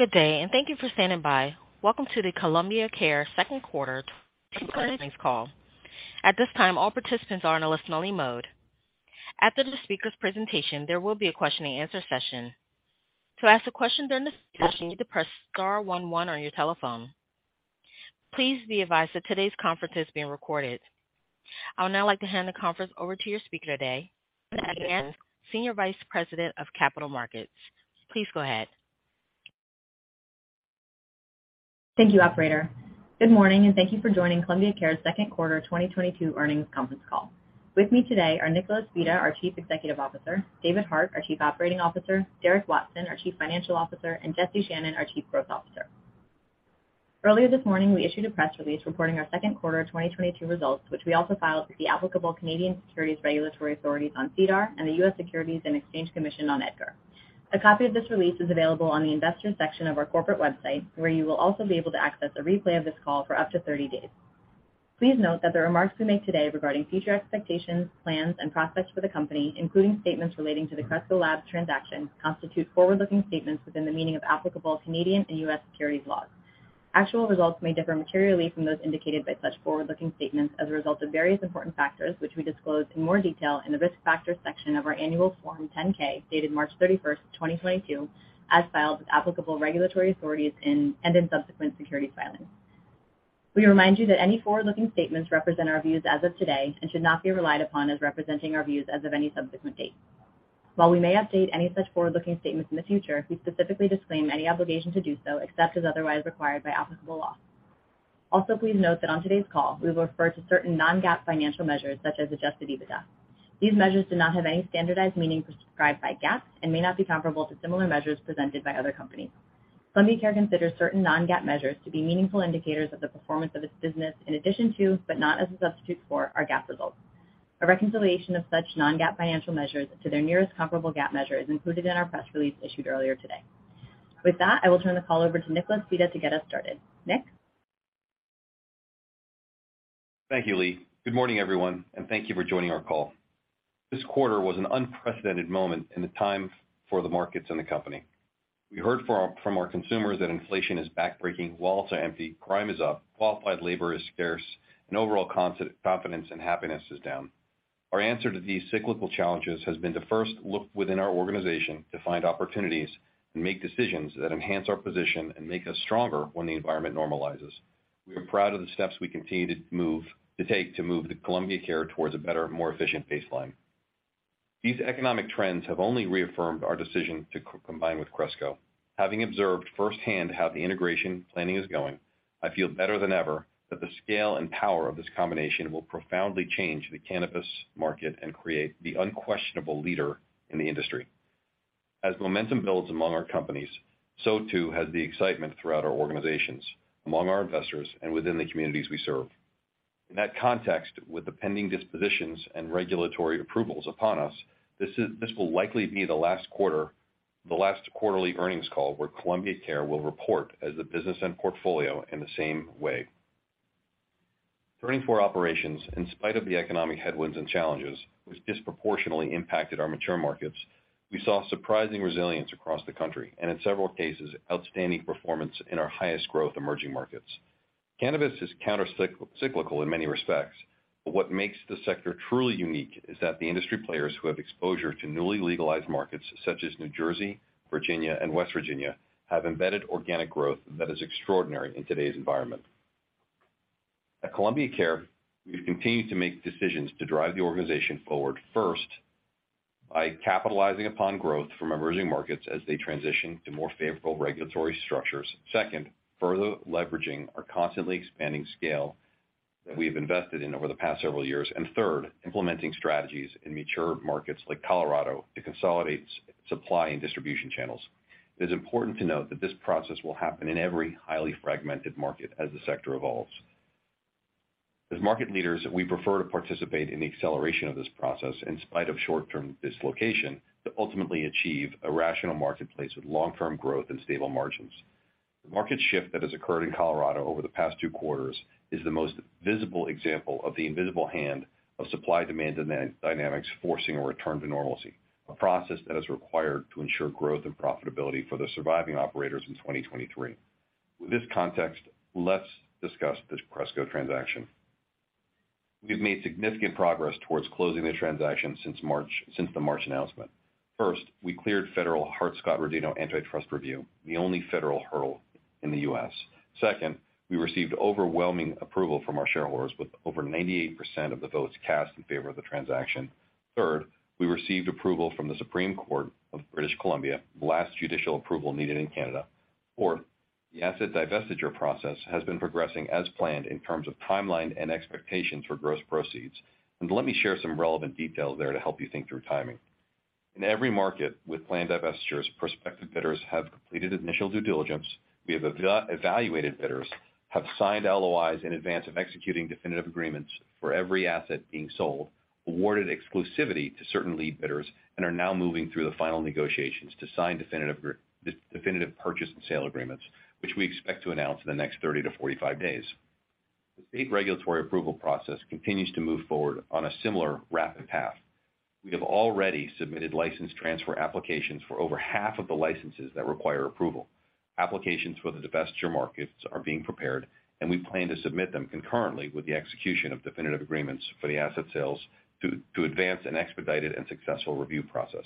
Good day, and thank you for standing by. Welcome to the Columbia Care second quarter earnings call. At this time, all participants are in a listen-only mode. After the speaker's presentation, there will be a question and answer session. To ask a question during the session, you press star one one on your telephone. Please be advised that today's conference is being recorded. I would now like to hand the conference over to your speaker today, Lee Ann Evans, Senior Vice President, Capital Markets. Please go ahead. Thank you, operator. Good morning, and thank you for joining Columbia Care's second quarter 2022 earnings conference call. With me today are Nicholas Vita, our Chief Executive Officer, David Hart, our Chief Operating Officer, Derek Watson, our Chief Financial Officer, and Jesse Channon, our Chief Growth Officer. Earlier this morning, we issued a press release reporting our second quarter 2022 results, which we also filed with the applicable Canadian Securities Regulatory Authorities on SEDAR and the U.S. Securities and Exchange Commission on EDGAR. A copy of this release is available on the investors section of our corporate website, where you will also be able to access a replay of this call for up to 30 days. Please note that the remarks we make today regarding future expectations, plans and prospects for the company, including statements relating to the Cresco Labs transaction, constitute forward-looking statements within the meaning of applicable Canadian and U.S. securities laws. Actual results may differ materially from those indicated by such forward-looking statements as a result of various important factors, which we disclose in more detail in the Risk Factors section of our annual Form 10-K, dated March 31, 2022, as filed with applicable regulatory authorities in Canada and in subsequent securities filings. We remind you that any forward-looking statements represent our views as of today and should not be relied upon as representing our views as of any subsequent date. While we may update any such forward-looking statements in the future, we specifically disclaim any obligation to do so except as otherwise required by applicable law. Also, please note that on today's call we will refer to certain non-GAAP financial measures such as adjusted EBITDA. These measures do not have any standardized meaning prescribed by GAAP and may not be comparable to similar measures presented by other companies. Columbia Care considers certain non-GAAP measures to be meaningful indicators of the performance of its business in addition to, but not as a substitute for, our GAAP results. A reconciliation of such non-GAAP financial measures to their nearest comparable GAAP measure is included in our press release issued earlier today. With that, I will turn the call over to Nicholas Vita to get us started. Nick. Thank you, Leigh. Good morning, everyone, and thank you for joining our call. This quarter was an unprecedented moment in the time for the markets and the company. We heard from our consumers that inflation is backbreaking, walls are empty, crime is up, qualified labor is scarce, and overall confidence and happiness is down. Our answer to these cyclical challenges has been to first look within our organization to find opportunities and make decisions that enhance our position and make us stronger when the environment normalizes. We are proud of the steps we continue to take to move the Columbia Care towards a better, more efficient baseline. These economic trends have only reaffirmed our decision to combine with Cresco. Having observed firsthand how the integration planning is going, I feel better than ever that the scale and power of this combination will profoundly change the cannabis market and create the unquestionable leader in the industry. As momentum builds among our companies, so too has the excitement throughout our organizations, among our investors, and within the communities we serve. In that context, with the pending dispositions and regulatory approvals upon us, this will likely be the last quarterly earnings call where Columbia Care will report as the business and portfolio in the same way. Turning to our operations. In spite of the economic headwinds and challenges, which disproportionately impacted our mature markets, we saw surprising resilience across the country and in several cases, outstanding performance in our highest growth emerging markets. Cannabis is countercyclical in many respects, but what makes the sector truly unique is that the industry players who have exposure to newly legalized markets such as New Jersey, Virginia, and West Virginia, have embedded organic growth that is extraordinary in today's environment. At The Cannabist Company, we've continued to make decisions to drive the organization forward, first by capitalizing upon growth from emerging markets as they transition to more favorable regulatory structures. Second, further leveraging our constantly expanding scale that we have invested in over the past several years. Third, implementing strategies in mature markets like Colorado to consolidate supply and distribution channels. It is important to note that this process will happen in every highly fragmented market as the sector evolves. As market leaders, we prefer to participate in the acceleration of this process in spite of short-term dislocation to ultimately achieve a rational marketplace with long-term growth and stable margins. The market shift that has occurred in Colorado over the past two quarters is the most visible example of the invisible hand of supply demand dynamics, forcing a return to normalcy, a process that is required to ensure growth and profitability for the surviving operators in 2023. With this context, let's discuss this Cresco transaction. We've made significant progress towards closing the transaction since the March announcement. First, we cleared federal Hart-Scott-Rodino antitrust review, the only federal hurdle in the U.S. Second, we received overwhelming approval from our shareholders with over 98% of the votes cast in favor of the transaction. Third, we received approval from the Supreme Court of British Columbia, the last judicial approval needed in Canada. Fourth, the asset divestiture process has been progressing as planned in terms of timeline and expectations for gross proceeds. Let me share some relevant details there to help you think through timing. In every market with planned divestitures, prospective bidders have completed initial due diligence. We have evaluated bidders, have signed LOIs in advance of executing definitive agreements for every asset being sold, awarded exclusivity to certain lead bidders, and are now moving through the final negotiations to sign definitive purchase and sale agreements, which we expect to announce in the next 30 to 45 days. The state regulatory approval process continues to move forward on a similar rapid path. We have already submitted license transfer applications for over half of the licenses that require approval. Applications for the divestiture markets are being prepared, and we plan to submit them concurrently with the execution of definitive agreements for the asset sales to advance an expedited and successful review process.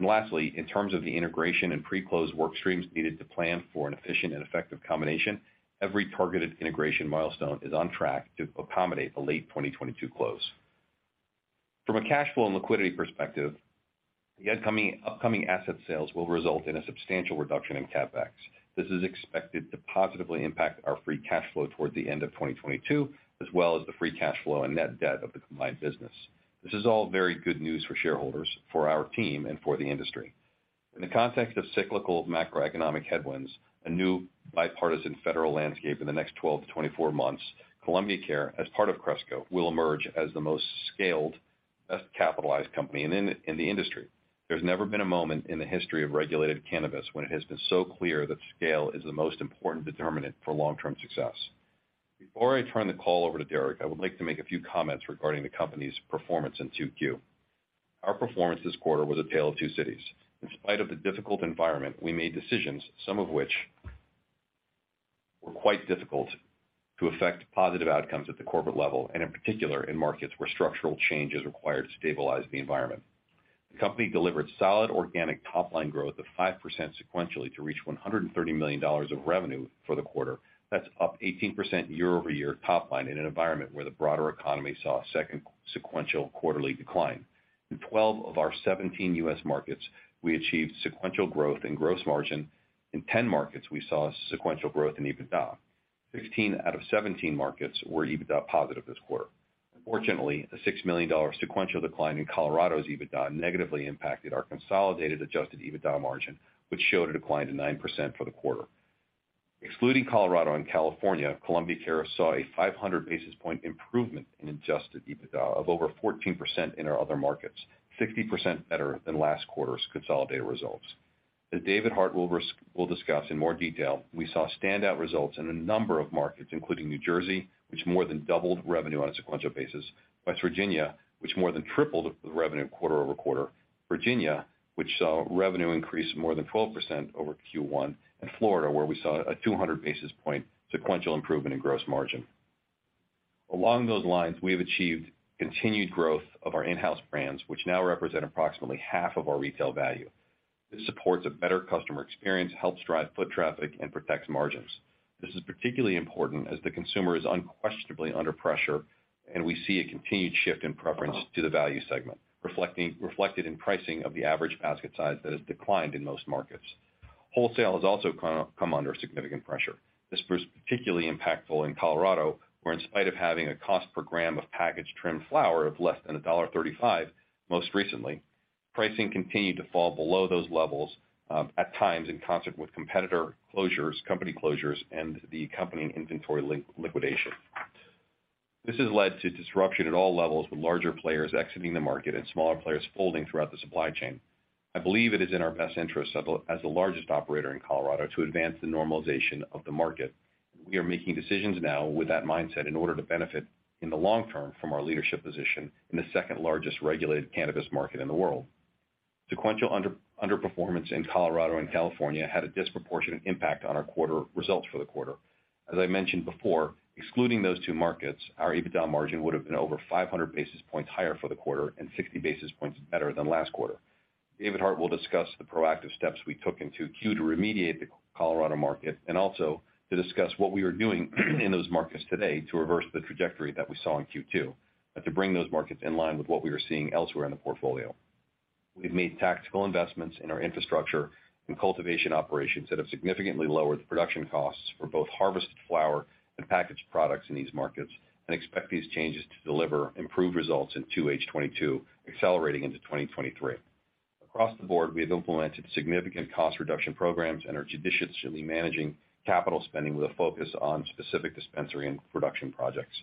Lastly, in terms of the integration and pre-close work streams needed to plan for an efficient and effective combination, every targeted integration milestone is on track to accommodate the late 2022 close. From a cash flow and liquidity perspective, the upcoming asset sales will result in a substantial reduction in CapEx. This is expected to positively impact our free cash flow toward the end of 2022, as well as the free cash flow and net debt of the combined business. This is all very good news for shareholders, for our team, and for the industry. In the context of cyclical macroeconomic headwinds, a new bipartisan federal landscape in the next 12 to 24 months, Columbia Care, as part of Cresco, will emerge as the most scaled, best capitalized company in the industry. There's never been a moment in the history of regulated cannabis when it has been so clear that scale is the most important determinant for long-term success. Before I turn the call over to Derek, I would like to make a few comments regarding the company's performance in Q2. Our performance this quarter was a tale of two cities. In spite of the difficult environment, we made decisions, some of which were quite difficult to effect positive outcomes at the corporate level, and in particular, in markets where structural change is required to stabilize the environment. The company delivered solid organic top-line growth of 5% sequentially to reach $130 million of revenue for the quarter. That's up 18% year-over-year top line in an environment where the broader economy saw a second sequential quarterly decline. In 12 of our 17 U.S. markets, we achieved sequential growth in gross margin. In 10 markets, we saw sequential growth in EBITDA. 16 out of 17 markets were EBITDA positive this quarter. Unfortunately, a $6 million sequential decline in Colorado's EBITDA negatively impacted our consolidated adjusted EBITDA margin, which showed a decline to 9% for the quarter. Excluding Colorado and California, Columbia Care saw a 500 basis point improvement in adjusted EBITDA of over 14% in our other markets, 60% better than last quarter's consolidated results. David Hart will discuss in more detail. We saw standout results in a number of markets, including New Jersey, which more than doubled revenue on a sequential basis, West Virginia, which more than tripled the revenue quarter over quarter, Virginia, which saw revenue increase more than 12% over Q1, and Florida, where we saw a 200 basis point sequential improvement in gross margin. Along those lines, we have achieved continued growth of our in-house brands, which now represent approximately half of our retail value. This supports a better customer experience, helps drive foot traffic, and protects margins. This is particularly important as the consumer is unquestionably under pressure, and we see a continued shift in preference to the value segment, reflected in pricing of the average basket size that has declined in most markets. Wholesale has also come under significant pressure. This was particularly impactful in Colorado, where in spite of having a cost per gram of packaged trim flower of less than $1.35, most recently, pricing continued to fall below those levels, at times in concert with competitor closures, company closures, and the company inventory liquidation. This has led to disruption at all levels, with larger players exiting the market and smaller players folding throughout the supply chain. I believe it is in our best interest as the largest operator in Colorado to advance the normalization of the market. We are making decisions now with that mindset in order to benefit in the long term from our leadership position in the second-largest regulated cannabis market in the world. Sequential underperformance in Colorado and California had a disproportionate impact on our quarter results for the quarter. As I mentioned before, excluding those two markets, our EBITDA margin would have been over 500 basis points higher for the quarter and 60 basis points better than last quarter. David Hart will discuss the proactive steps we took in 2Q to remediate the Colorado market and also to discuss what we are doing in those markets today to reverse the trajectory that we saw in Q2, and to bring those markets in line with what we are seeing elsewhere in the portfolio. We've made tactical investments in our infrastructure and cultivation operations that have significantly lowered production costs for both harvested flower and packaged products in these markets, and expect these changes to deliver improved results in 2H 2022, accelerating into 2023. Across the board, we have implemented significant cost reduction programs and are judiciously managing capital spending with a focus on specific dispensary and production projects.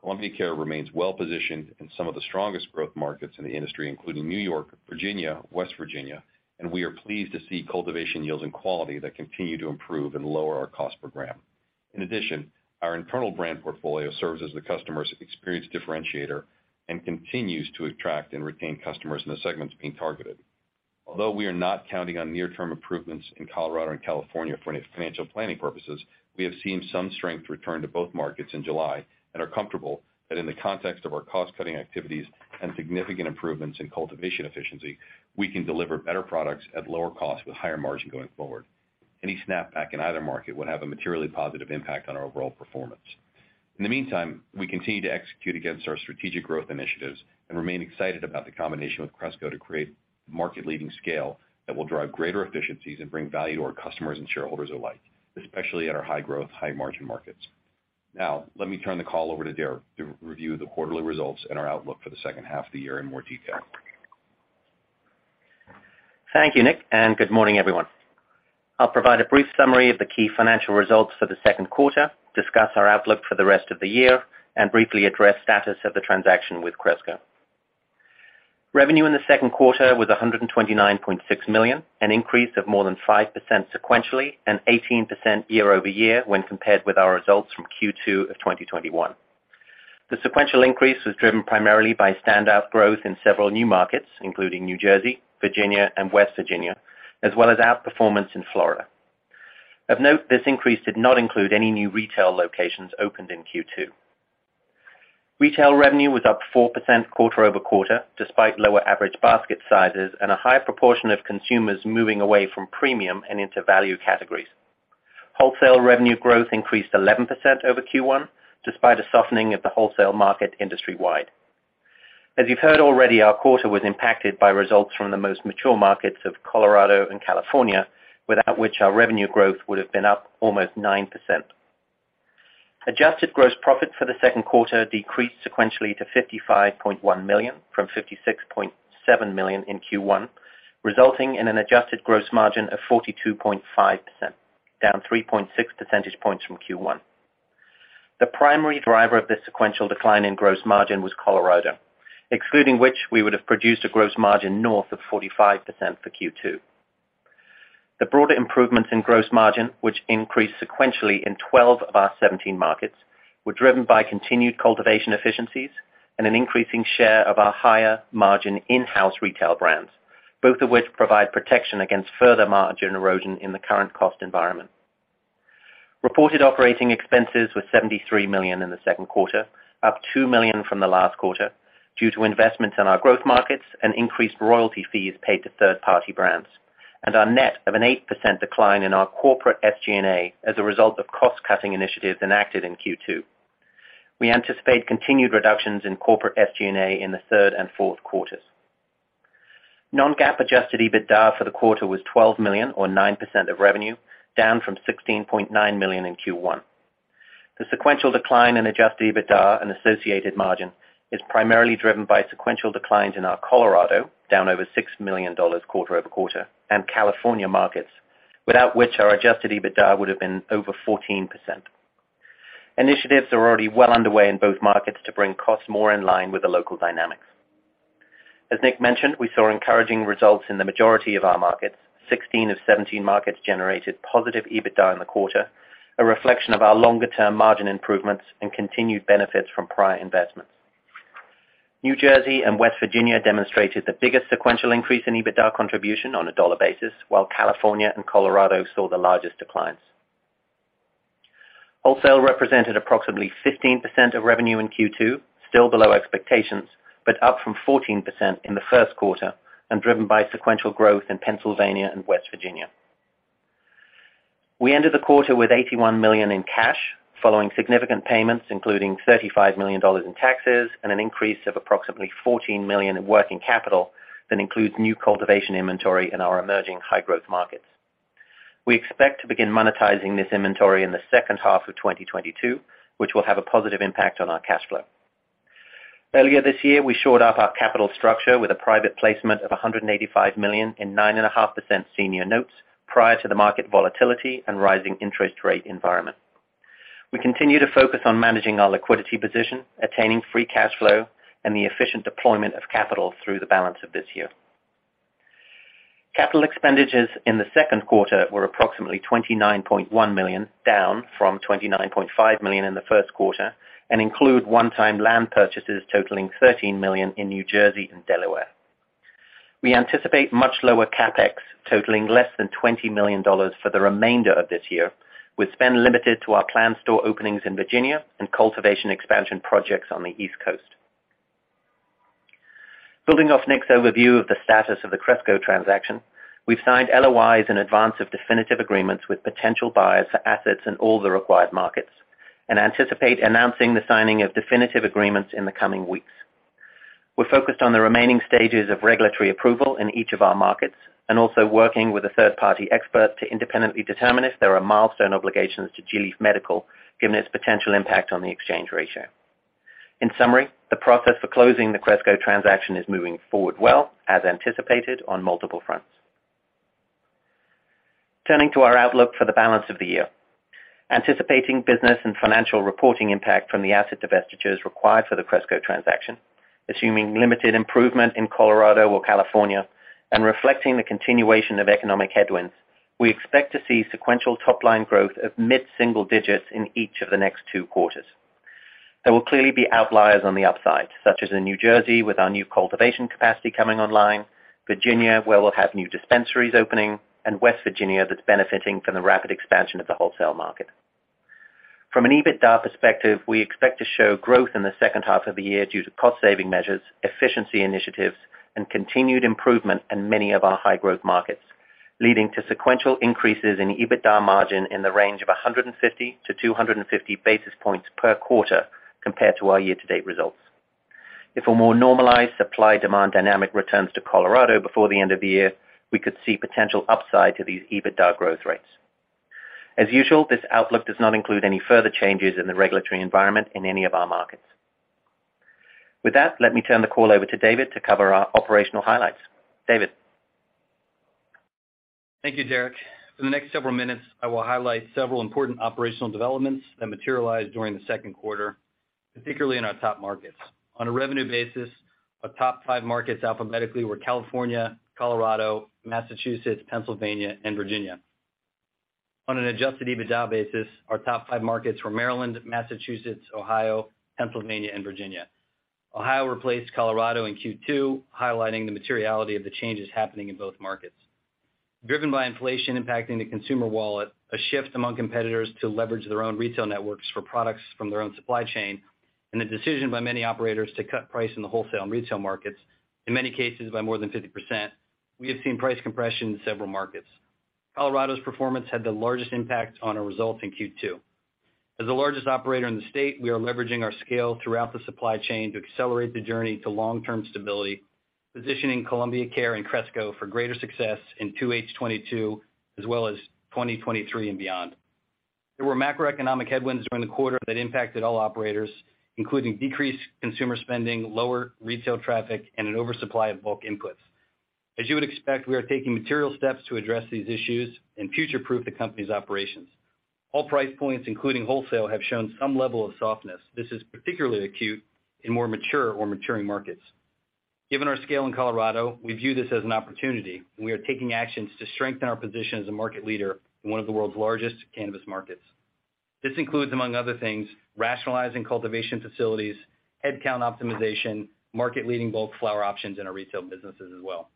Columbia Care remains well-positioned in some of the strongest growth markets in the industry, including New York, Virginia, West Virginia, and we are pleased to see cultivation yields and quality that continue to improve and lower our cost per gram. In addition, our internal brand portfolio serves as the customer's experience differentiator and continues to attract and retain customers in the segments being targeted. Although we are not counting on near-term improvements in Colorado and California for any financial planning purposes, we have seen some strength return to both markets in July and are comfortable that in the context of our cost-cutting activities and significant improvements in cultivation efficiency, we can deliver better products at lower cost with higher margin going forward. Any snapback in either market would have a materially positive impact on our overall performance. In the meantime, we continue to execute against our strategic growth initiatives and remain excited about the combination with Cresco to create market-leading scale that will drive greater efficiencies and bring value to our customers and shareholders alike, especially at our high-growth, high-margin markets. Now, let me turn the call over to Derek to review the quarterly results and our outlook for the second half of the year in more detail. Thank you, Nick, and good morning, everyone. I'll provide a brief summary of the key financial results for the second quarter, discuss our outlook for the rest of the year, and briefly address status of the transaction with Cresco. Revenue in the second quarter was $129.6 million, an increase of more than 5% sequentially, and 18% year-over-year when compared with our results from Q2 of 2021. The sequential increase was driven primarily by standout growth in several new markets, including New Jersey, Virginia, and West Virginia, as well as outperformance in Florida. Of note, this increase did not include any new retail locations opened in Q2. Retail revenue was up 4% quarter-over-quarter, despite lower average basket sizes and a higher proportion of consumers moving away from premium and into value categories. Wholesale revenue growth increased 11% over Q1, despite a softening of the wholesale market industry-wide. As you've heard already, our quarter was impacted by results from the most mature markets of Colorado and California, without which our revenue growth would have been up almost 9%. Adjusted gross profit for the second quarter decreased sequentially to $55.1 million from $56.7 million in Q1, resulting in an adjusted gross margin of 42.5%, down 3.6 percentage points from Q1. The primary driver of this sequential decline in gross margin was Colorado, excluding which we would have produced a gross margin north of 45% for Q2. The broader improvements in gross margin, which increased sequentially in 12 of our 17 markets, were driven by continued cultivation efficiencies and an increasing share of our higher margin in-house retail brands, both of which provide protection against further margin erosion in the current cost environment. Reported operating expenses were $73 million in the second quarter, up $2 million from the last quarter due to investments in our growth markets and increased royalty fees paid to third-party brands, and are net of an 8% decline in our corporate SG&A as a result of cost-cutting initiatives enacted in Q2. We anticipate continued reductions in corporate SG&A in the third and fourth quarters. Non-GAAP adjusted EBITDA for the quarter was $12 million or 9% of revenue, down from $16.9 million in Q1. The sequential decline in adjusted EBITDA and associated margin is primarily driven by sequential declines in our Colorado, down over $6 million quarter over quarter, and California markets, without which our adjusted EBITDA would have been over 14%. Initiatives are already well underway in both markets to bring costs more in line with the local dynamics. As Nick mentioned, we saw encouraging results in the majority of our markets. 16 of 17 markets generated positive EBITDA in the quarter, a reflection of our longer-term margin improvements and continued benefits from prior investments. New Jersey and West Virginia demonstrated the biggest sequential increase in EBITDA contribution on a dollar basis, while California and Colorado saw the largest declines. Wholesale represented approximately 15% of revenue in Q2, still below expectations, but up from 14% in the first quarter and driven by sequential growth in Pennsylvania and West Virginia. We ended the quarter with $81 million in cash following significant payments, including $35 million in taxes and an increase of approximately $14 million in working capital that includes new cultivation inventory in our emerging high-growth markets. We expect to begin monetizing this inventory in the second half of 2022, which will have a positive impact on our cash flow. Earlier this year, we shored up our capital structure with a private placement of $185 million in 9.5% senior notes prior to the market volatility and rising interest rate environment. We continue to focus on managing our liquidity position, attaining free cash flow, and the efficient deployment of capital through the balance of this year. Capital expenditures in the second quarter were approximately $29.1 million, down from $29.5 million in the first quarter, and include one-time land purchases totaling $13 million in New Jersey and Delaware. We anticipate much lower CapEx, totaling less than $20 million for the remainder of this year, with spend limited to our planned store openings in Virginia and cultivation expansion projects on the East Coast. Building off Nick's overview of the status of the Cresco transaction, we've signed LOIs in advance of definitive agreements with potential buyers for assets in all the required markets and anticipate announcing the signing of definitive agreements in the coming weeks. We're focused on the remaining stages of regulatory approval in each of our markets and also working with a third-party expert to independently determine if there are milestone obligations to gLeaf, given its potential impact on the exchange ratio. In summary, the process for closing the Cresco transaction is moving forward well, as anticipated on multiple fronts. Turning to our outlook for the balance of the year. Anticipating business and financial reporting impact from the asset divestitures required for the Cresco transaction, assuming limited improvement in Colorado or California, and reflecting the continuation of economic headwinds, we expect to see sequential top-line growth of mid-single digits in each of the next two quarters. There will clearly be outliers on the upside, such as in New Jersey with our new cultivation capacity coming online, Virginia, where we'll have new dispensaries opening, and West Virginia that's benefiting from the rapid expansion of the wholesale market. From an EBITDA perspective, we expect to show growth in the second half of the year due to cost-saving measures, efficiency initiatives, and continued improvement in many of our high-growth markets, leading to sequential increases in EBITDA margin in the range of 150 to 250 basis points per quarter compared to our year-to-date results. If a more normalized supply-demand dynamic returns to Colorado before the end of the year, we could see potential upside to these EBITDA growth rates. As usual, this outlook does not include any further changes in the regulatory environment in any of our markets. With that, let me turn the call over to David to cover our operational highlights. David? Thank you, Derek. For the next several minutes, I will highlight several important operational developments that materialized during the second quarter, particularly in our top markets. On a revenue basis, our top five markets alphabetically were California, Colorado, Massachusetts, Pennsylvania, and Virginia. On an adjusted EBITDA basis, our top five markets were Maryland, Massachusetts, Ohio, Pennsylvania, and Virginia. Ohio replaced Colorado in Q2, highlighting the materiality of the changes happening in both markets. Driven by inflation impacting the consumer wallet, a shift among competitors to leverage their own retail networks for products from their own supply chain, and a decision by many operators to cut price in the wholesale and retail markets, in many cases by more than 50%, we have seen price compression in several markets. Colorado's performance had the largest impact on our results in Q2. As the largest operator in the state, we are leveraging our scale throughout the supply chain to accelerate the journey to long-term stability, positioning Columbia Care and Cresco for greater success in 2H 2022, as well as 2023 and beyond. There were macroeconomic headwinds during the quarter that impacted all operators, including decreased consumer spending, lower retail traffic, and an oversupply of bulk inputs. As you would expect, we are taking material steps to address these issues and future-proof the company's operations. All price points, including wholesale, have shown some level of softness. This is particularly acute in more mature or maturing markets. Given our scale in Colorado, we view this as an opportunity, and we are taking actions to strengthen our position as a market leader in one of the world's largest cannabis markets. This includes, among other things, rationalizing cultivation facilities, headcount optimization, market-leading bulk flower options in our retail businesses as well.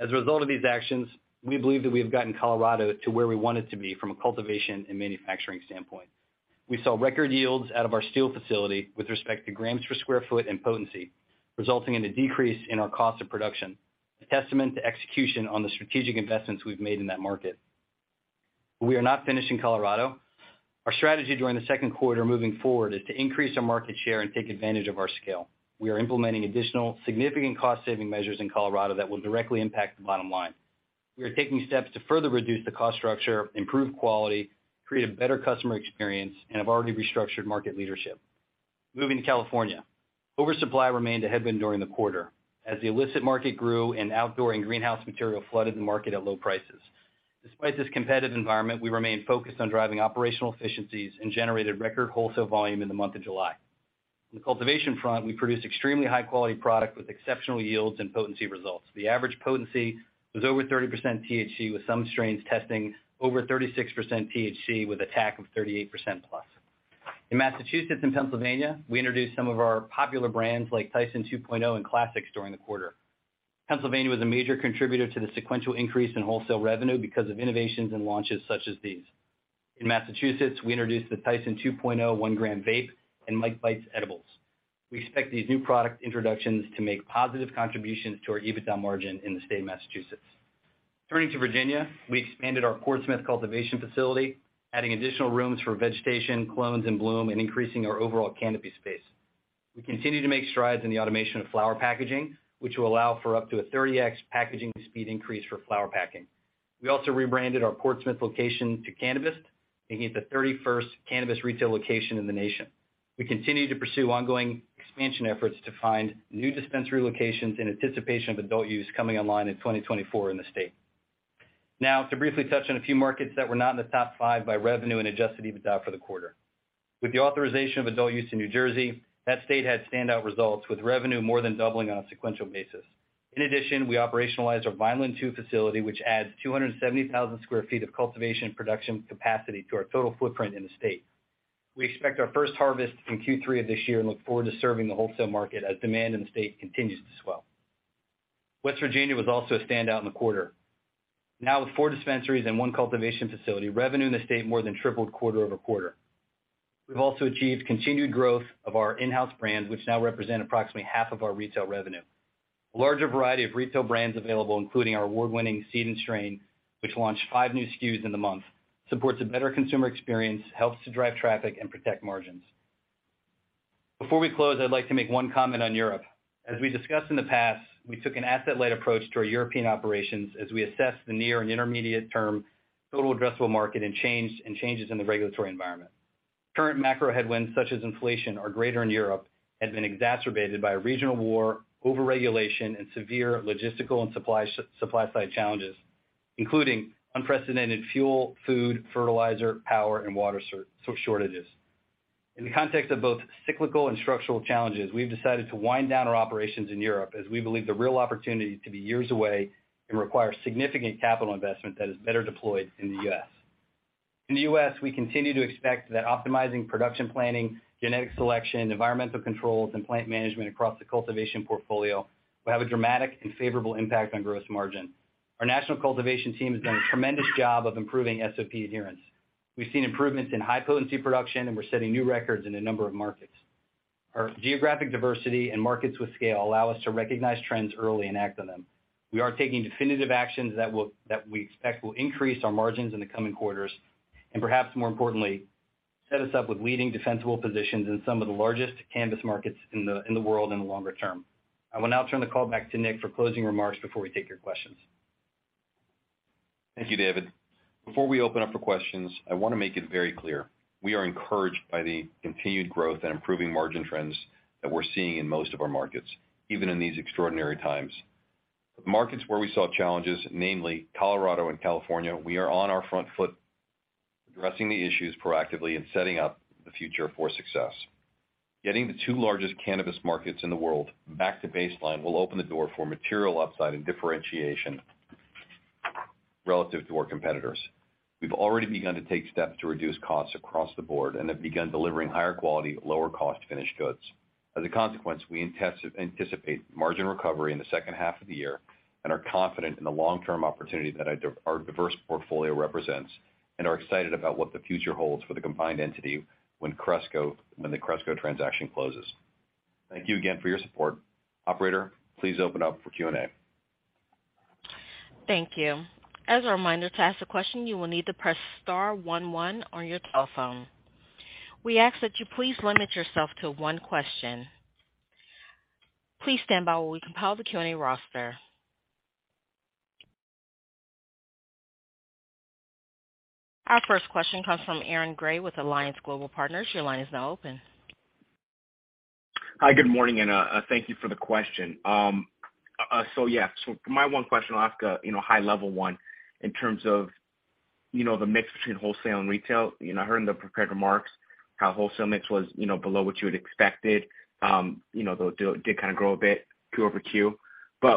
As a result of these actions, we believe that we have gotten Colorado to where we want it to be from a cultivation and manufacturing standpoint. We saw record yields out of our Steele facility with respect to grams per sq ft and potency, resulting in a decrease in our cost of production, a testament to execution on the strategic investments we've made in that market. We are not finished in Colorado. Our strategy during the second quarter moving forward is to increase our market share and take advantage of our scale. We are implementing additional significant cost-saving measures in Colorado that will directly impact the bottom line. We are taking steps to further reduce the cost structure, improve quality, create a better customer experience, and have already restructured market leadership. Moving to California. Oversupply remained a headwind during the quarter as the illicit market grew and outdoor and greenhouse material flooded the market at low prices. Despite this competitive environment, we remain focused on driving operational efficiencies and generated record wholesale volume in the month of July. On the cultivation front, we produced extremely high-quality product with exceptional yields and potency results. The average potency was over 30% THC, with some strains testing over 36% THC with a THC of 38%+. In Massachusetts and Pennsylvania, we introduced some of our popular brands like Tyson 2.0 and Classix during the quarter. Pennsylvania was a major contributor to the sequential increase in wholesale revenue because of innovations and launches such as these. In Massachusetts, we introduced the Tyson 2.0 one gram vape and Mike Bites edibles. We expect these new product introductions to make positive contributions to our EBITDA margin in the state of Massachusetts. Turning to Virginia, we expanded our Portsmouth cultivation facility, adding additional rooms for vegetation, clones, and bloom, and increasing our overall canopy space. We continue to make strides in the automation of flower packaging, which will allow for up to a 30x packaging speed increase for flower packing. We also rebranded our Portsmouth location to Cannabist, making it the 31st cannabis retail location in the nation. We continue to pursue ongoing expansion efforts to find new dispensary locations in anticipation of adult use coming online in 2024 in the state. Now, to briefly touch on a few markets that were not in the top five by revenue and adjusted EBITDA for the quarter. With the authorization of adult use in New Jersey, that state had standout results, with revenue more than doubling on a sequential basis. In addition, we operationalized our Vineland 2 facility, which adds 270,000 sq ft of cultivation and production capacity to our total footprint in the state. We expect our first harvest in Q3 of this year and look forward to serving the wholesale market as demand in the state continues to swell. West Virginia was also a standout in the quarter. Now with four dispensaries and one cultivation facility, revenue in the state more than tripled quarter-over-quarter. We've also achieved continued growth of our in-house brands, which now represent approximately half of our retail revenue. A larger variety of retail brands available, including our award-winning Seed & Strain, which launched five new SKUs in the month, supports a better consumer experience, helps to drive traffic, and protect margins. Before we close, I'd like to make one comment on Europe. As we discussed in the past, we took an asset-light approach to our European operations as we assess the near and intermediate term total addressable market and changes in the regulatory environment. Current macro headwinds such as inflation are greater in Europe, has been exacerbated by a regional war, over-regulation, and severe logistical and supply side challenges, including unprecedented fuel, food, fertilizer, power, and water shortages. In the context of both cyclical and structural challenges, we've decided to wind down our operations in Europe, as we believe the real opportunity to be years away and require significant capital investment that is better deployed in the U.S. In the U.S., we continue to expect that optimizing production planning, genetic selection, environmental controls, and plant management across the cultivation portfolio will have a dramatic and favorable impact on gross margin. Our national cultivation team has done a tremendous job of improving SOP adherence. We've seen improvements in high-potency production, and we're setting new records in a number of markets. Our geographic diversity and markets with scale allow us to recognize trends early and act on them. We are taking definitive actions that we expect will increase our margins in the coming quarters, and perhaps more importantly, set us up with leading defensible positions in some of the largest cannabis markets in the world in the longer term. I will now turn the call back to Nick for closing remarks before we take your questions . Thank you, David. Before we open up for questions, I want to make it very clear, we are encouraged by the continued growth and improving margin trends that we're seeing in most of our markets, even in these extraordinary times. The markets where we saw challenges, namely Colorado and California, we are on our front foot addressing the issues proactively and setting up the future for success. Getting the two largest cannabis markets in the world back to baseline will open the door for material upside and differentiation relative to our competitors. We've already begun to take steps to reduce costs across the board and have begun delivering higher quality at lower cost finished goods. As a consequence, we anticipate margin recovery in the second half of the year and are confident in the long-term opportunity that our diverse portfolio represents and are excited about what the future holds for the combined entity when the Cresco transaction closes. Thank you again for your support. Operator, please open up for Q&A. Thank you. As a reminder, to ask a question, you will need to press star one one on your telephone. We ask that you please limit yourself to one question. Please stand by while we compile the Q&A roster. Our first question comes from Aaron Grey with Alliance Global Partners. Your line is now open. Hi, good morning, and thank you for the question. Yeah. My one question, I'll ask a, you know, high level one in terms of, you know, the mix between wholesale and retail. You know, I heard in the prepared remarks how wholesale mix was, you know, below what you had expected. You know, though it did kind of grow a bit Q-over-Q.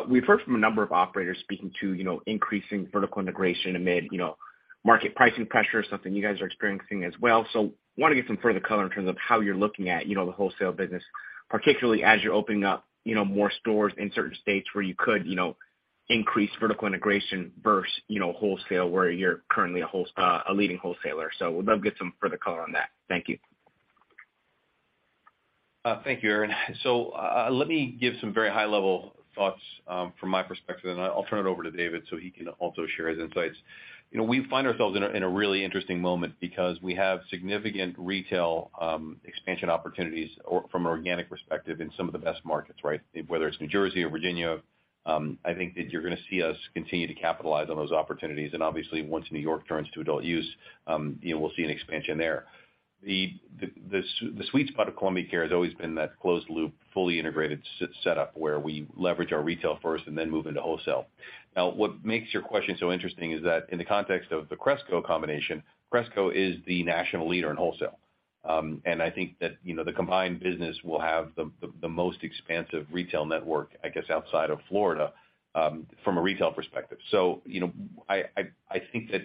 We've heard from a number of operators speaking to, you know, increasing vertical integration amid, you know, market pricing pressure, something you guys are experiencing as well. Want to get some further color in terms of how you're looking at, you know, the wholesale business, particularly as you're opening up, you know, more stores in certain states where you could, you know, increase vertical integration versus, you know, wholesale, where you're currently a leading wholesaler. Would love to get some further color on that. Thank you. Thank you, Aaron Grey. Let me give some very high-level thoughts from my perspective, and I'll turn it over to David Hart so he can also share his insights. You know, we find ourselves in a really interesting moment because we have significant retail expansion opportunities from an organic perspective in some of the best markets, right? Whether it's New Jersey or Virginia, I think that you're going to see us continue to capitalize on those opportunities. Obviously, once New York turns to adult use, you know, we'll see an expansion there. The sweet spot of Columbia Care has always been that closed loop, fully integrated setup where we leverage our retail first and then move into wholesale. Now, what makes your question so interesting is that in the context of the Cresco combination, Cresco is the national leader in wholesale. And I think that, you know, the combined business will have the most expansive retail network, I guess, outside of Florida, from a retail perspective. So, you know, I think that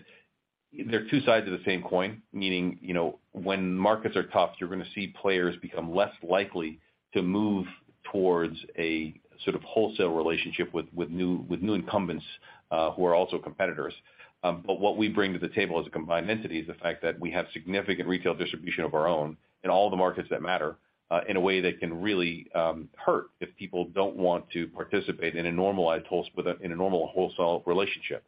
they're two sides of the same coin, meaning, you know, when markets are tough, you're going to see players become less likely to move towards a sort of wholesale relationship with new incumbents who are also competitors. What we bring to the table as a combined entity is the fact that we have significant retail distribution of our own in all the markets that matter in a way that can really hurt if people don't want to participate in a normalized wholesale relationship.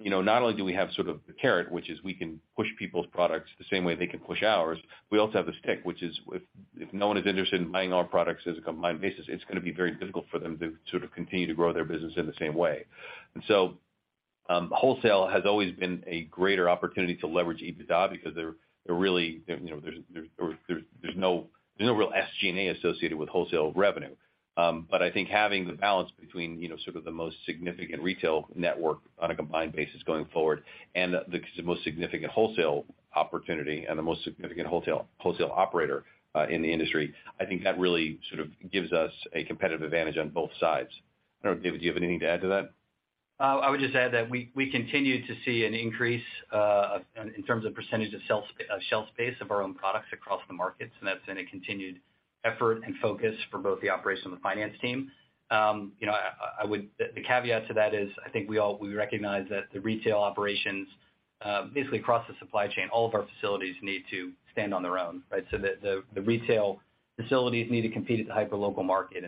You know, not only do we have sort of the carrot, which is we can push people's products the same way they can push ours, we also have the stick, which is if no one is interested in buying our products as a combined basis, it's going to be very difficult for them to sort of continue to grow their business in the same way. Wholesale has always been a greater opportunity to leverage EBITDA because they're really, you know, there's no real SG&A associated with wholesale revenue. But I think having the balance between, you know, sort of the most significant retail network on a combined basis going forward and the most significant wholesale opportunity and the most significant wholesale operator in the industry, I think that really sort of gives us a competitive advantage on both sides. I don't know, David, do you have anything to add to that? I would just add that we continue to see an increase in terms of percentage of shelf space of our own products across the markets, and that's been a continued effort and focus for both the operations and the finance team. You know, I would. The caveat to that is I think we all recognize that the retail operations basically across the supply chain, all of our facilities need to stand on their own, right? The retail facilities need to compete at the hyper-local market.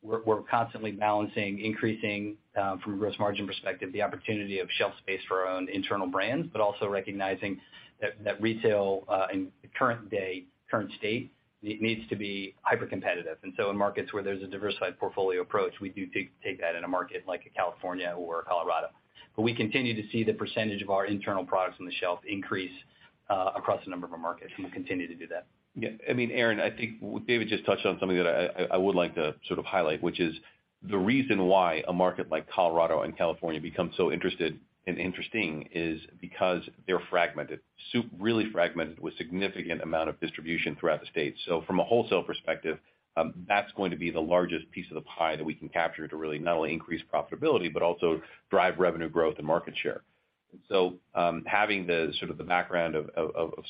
We're constantly balancing increasing from a gross margin perspective, the opportunity of shelf space for our own internal brands, but also recognizing that retail in current day, current state, needs to be hyper-competitive. In markets where there's a diversified portfolio approach, we do take that in a market like California or Colorado. We continue to see the percentage of our internal products on the shelf increase across a number of our markets, and we'll continue to do that. Yeah. I mean, Aaron, I think David just touched on something that I would like to sort of highlight, which is the reason why a market like Colorado and California become so interested and interesting is because they're fragmented. Really fragmented with significant amount of distribution throughout the state. From a wholesale perspective, that's going to be the largest piece of the pie that we can capture to really not only increase profitability, but also drive revenue growth and market share. Having the sort of the background of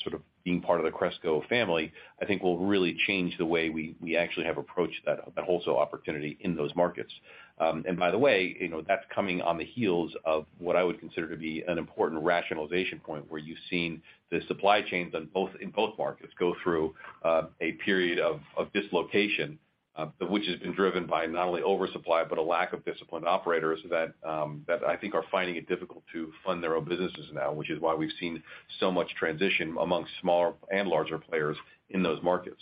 sort of being part of the Cresco family, I think will really change the way we actually have approached that wholesale opportunity in those markets. By the way, you know, that's coming on the heels of what I would consider to be an important rationalization point where you've seen the supply chains on both, in both markets go through a period of dislocation, which has been driven by not only oversupply, but a lack of disciplined operators that I think are finding it difficult to fund their own businesses now, which is why we've seen so much transition amongst smaller and larger players in those markets.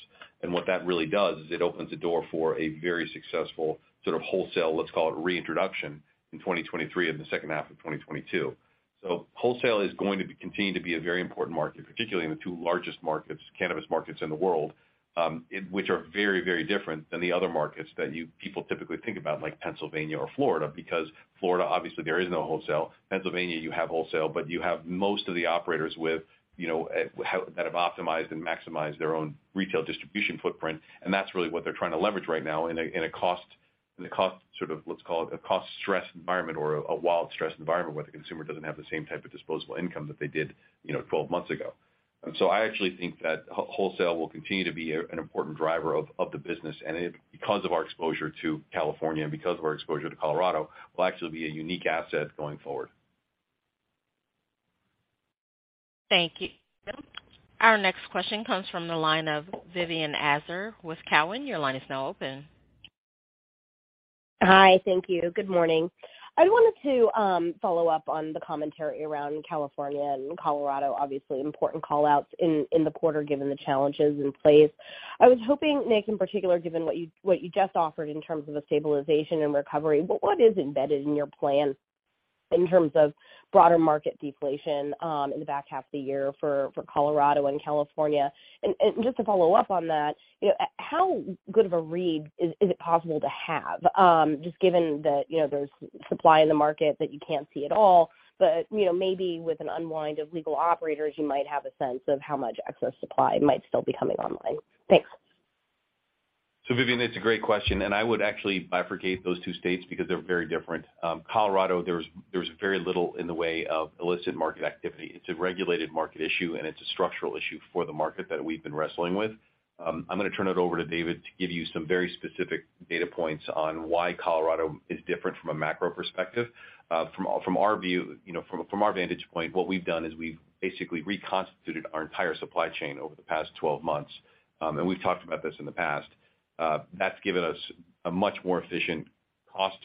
What that really does is it opens the door for a very successful sort of wholesale, let's call it reintroduction in 2023 and the second half of 2022. So wholesale is going to continue to be a very important market, particularly in the two largest cannabis markets in the world, which are very, very different than the other markets that you people typically think about, like Pennsylvania or Florida. Because Florida, obviously there is no wholesale. Pennsylvania, you have wholesale, but you have most of the operators with, you know, that have optimized and maximized their own retail distribution footprint, and that's really what they're trying to leverage right now in a cost sort of, let's call it a cost-stressed environment or a wildly stressed environment where the consumer doesn't have the same type of disposable income that they did, you know, 12 months ago. I actually think that wholesale will continue to be an important driver of the business, and it, because of our exposure to California and because of our exposure to Colorado, will actually be a unique asset going forward. Thank you. Our next question comes from the line of Vivien Azer with Cowen. Your line is now open. Hi. Thank you. Good morning. I wanted to follow up on the commentary around California and Colorado. Obviously, important call-outs in the quarter given the challenges in place. I was hoping, Nick, in particular, given what you just offered in terms of a stabilization and recovery, but what is embedded in your plan in terms of broader market deflation in the back half of the year for Colorado and California? And just to follow up on that, you know, how good of a read is it possible to have? Just given that, you know, there's supply in the market that you can't see at all, but, you know, maybe with an unwind of legal operators, you might have a sense of how much excess supply might still be coming online. Thanks. Vivien, it's a great question, and I would actually bifurcate those two states because they're very different. Colorado, there's very little in the way of illicit market activity. It's a regulated market issue, and it's a structural issue for the market that we've been wrestling with. I'm gonna turn it over to David to give you some very specific data points on why Colorado is different from a macro perspective. From our view, you know, from our vantage point, what we've done is we've basically reconstituted our entire supply chain over the past 12 months. We've talked about this in the past. That's given us a much more efficient cost,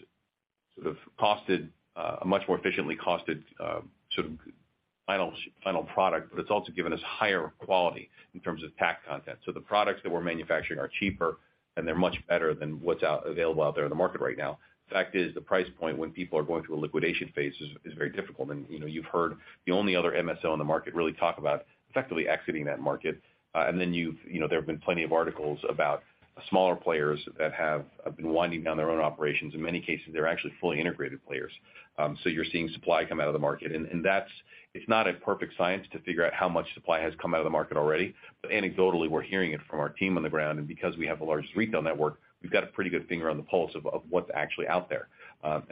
sort of costed, a much more efficiently costed, sort of final product, but it's also given us higher quality in terms of pack content. The products that we're manufacturing are cheaper, and they're much better than what's available out there in the market right now. The fact is the price point when people are going through a liquidation phase is very difficult. You know, you've heard the only other MSO in the market really talk about effectively exiting that market. You know, there have been plenty of articles about smaller players that have been winding down their own operations. In many cases, they're actually fully integrated players. You're seeing supply come out of the market. It's not a perfect science to figure out how much supply has come out of the market already. Anecdotally, we're hearing it from our team on the ground, and because we have the largest retail network, we've got a pretty good finger on the pulse of what's actually out there.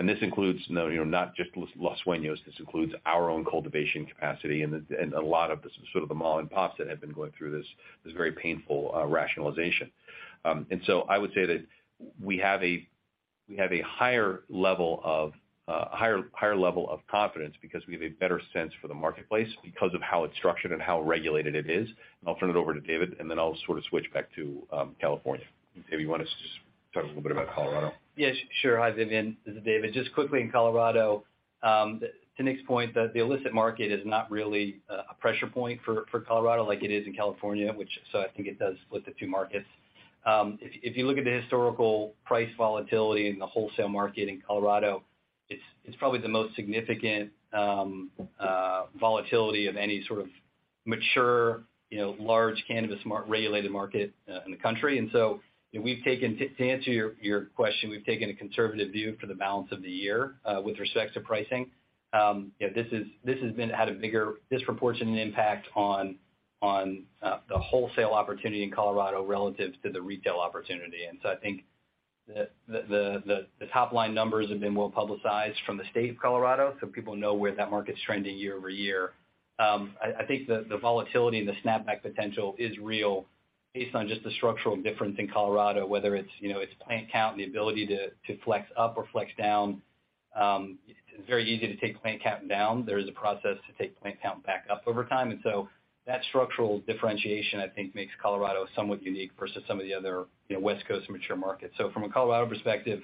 This includes, you know, not just Los Sueños, this includes our own cultivation capacity and a lot of the sort of the mom and pops that have been going through this very painful rationalization. I would say that we have a higher level of confidence because we have a better sense for the marketplace because of how it's structured and how regulated it is. I'll turn it over to David, and then I'll sort of switch back to California. David, you want to just talk a little bit about Colorado? Yes, sure. Hi, Vivien. This is David. Just quickly in Colorado, to Nick's point, the illicit market is not really a pressure point for Colorado like it is in California, which so I think it does split the two markets. If you look at the historical price volatility in the wholesale market in Colorado, it's probably the most significant volatility of any sort of mature, you know, large cannabis regulated market in the country. We've taken, to answer your question, a conservative view for the balance of the year with respect to pricing. You know, this has been at a bigger disproportionate impact on the wholesale opportunity in Colorado relative to the retail opportunity. I think the top-line numbers have been well publicized from the state of Colorado, so people know where that market's trending year-over-year. I think the volatility and the snapback potential is real based on just the structural difference in Colorado, whether it's you know it's plant count, the ability to flex up or flex down. It's very easy to take plant count down. There is a process to take plant count back up over time. That structural differentiation, I think, makes Colorado somewhat unique versus some of the other you know West Coast mature markets. From a Colorado perspective,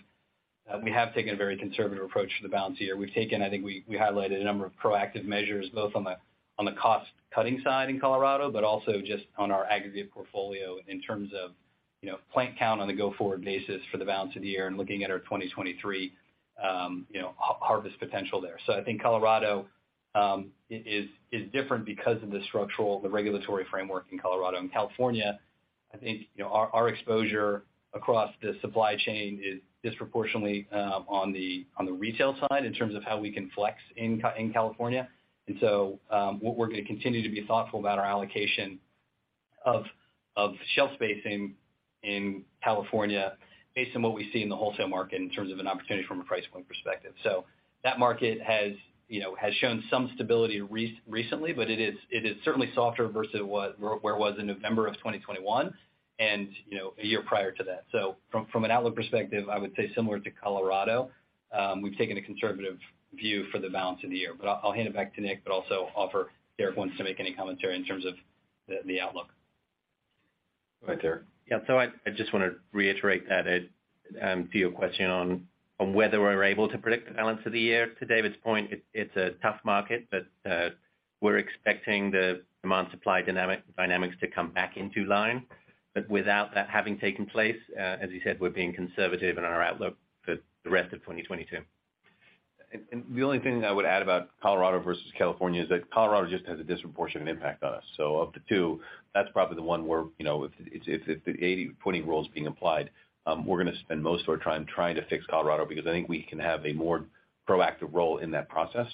we have taken a very conservative approach to the balance of the year. We've taken, I think we highlighted a number of proactive measures, both on the cost-cutting side in Colorado, but also just on our aggregate portfolio in terms of, you know, plant count on a go-forward basis for the balance of the year and looking at our 2023 harvest potential there. I think Colorado is different because of the structural, the regulatory framework in Colorado. In California, I think our exposure across the supply chain is disproportionately on the retail side in terms of how we can flex in California. What we're gonna continue to be thoughtful about our allocation of shelf spacing in California based on what we see in the wholesale market in terms of an opportunity from a price point perspective. That market has, you know, shown some stability recently, but it is certainly softer versus where it was in November of 2021 and, you know, a year prior to that. From an outlook perspective, I would say similar to Colorado, we've taken a conservative view for the balance of the year. I'll hand it back to Nick, but also offer if Derek wants to make any commentary in terms of the outlook. Go ahead, Derek. Yeah. I just want to reiterate that to your question on whether we're able to predict the balance of the year. To David's point, it's a tough market, but.. We're expecting the demand supply dynamic, dynamics to come back into line. Without that having taken place, as you said, we're being conservative in our outlook for the rest of 2022. The only thing I would add about Colorado versus California is that Colorado just has a disproportionate impact on us. Of the two, that's probably the one where, you know, if the 80/20 rule is being applied, we're gonna spend most of our time trying to fix Colorado because I think we can have a more proactive role in that process.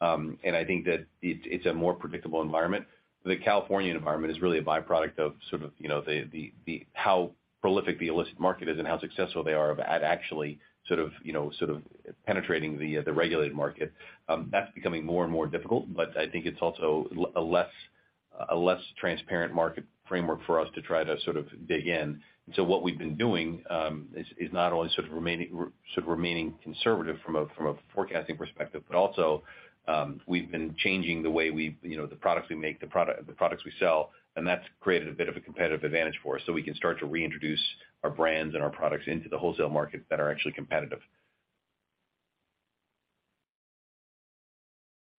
I think that it's a more predictable environment. The Californian environment is really a by-product of sort of, you know, the how prolific the illicit market is and how successful they are at actually sort of, you know, sort of penetrating the regulated market. That's becoming more and more difficult, but I think it's also a less transparent market framework for us to try to sort of dig in. What we've been doing is not only sort of remaining conservative from a forecasting perspective, but also we've been changing the way we, you know, the products we make, the products we sell, and that's created a bit of a competitive advantage for us. We can start to reintroduce our brands and our products into the wholesale market that are actually competitive.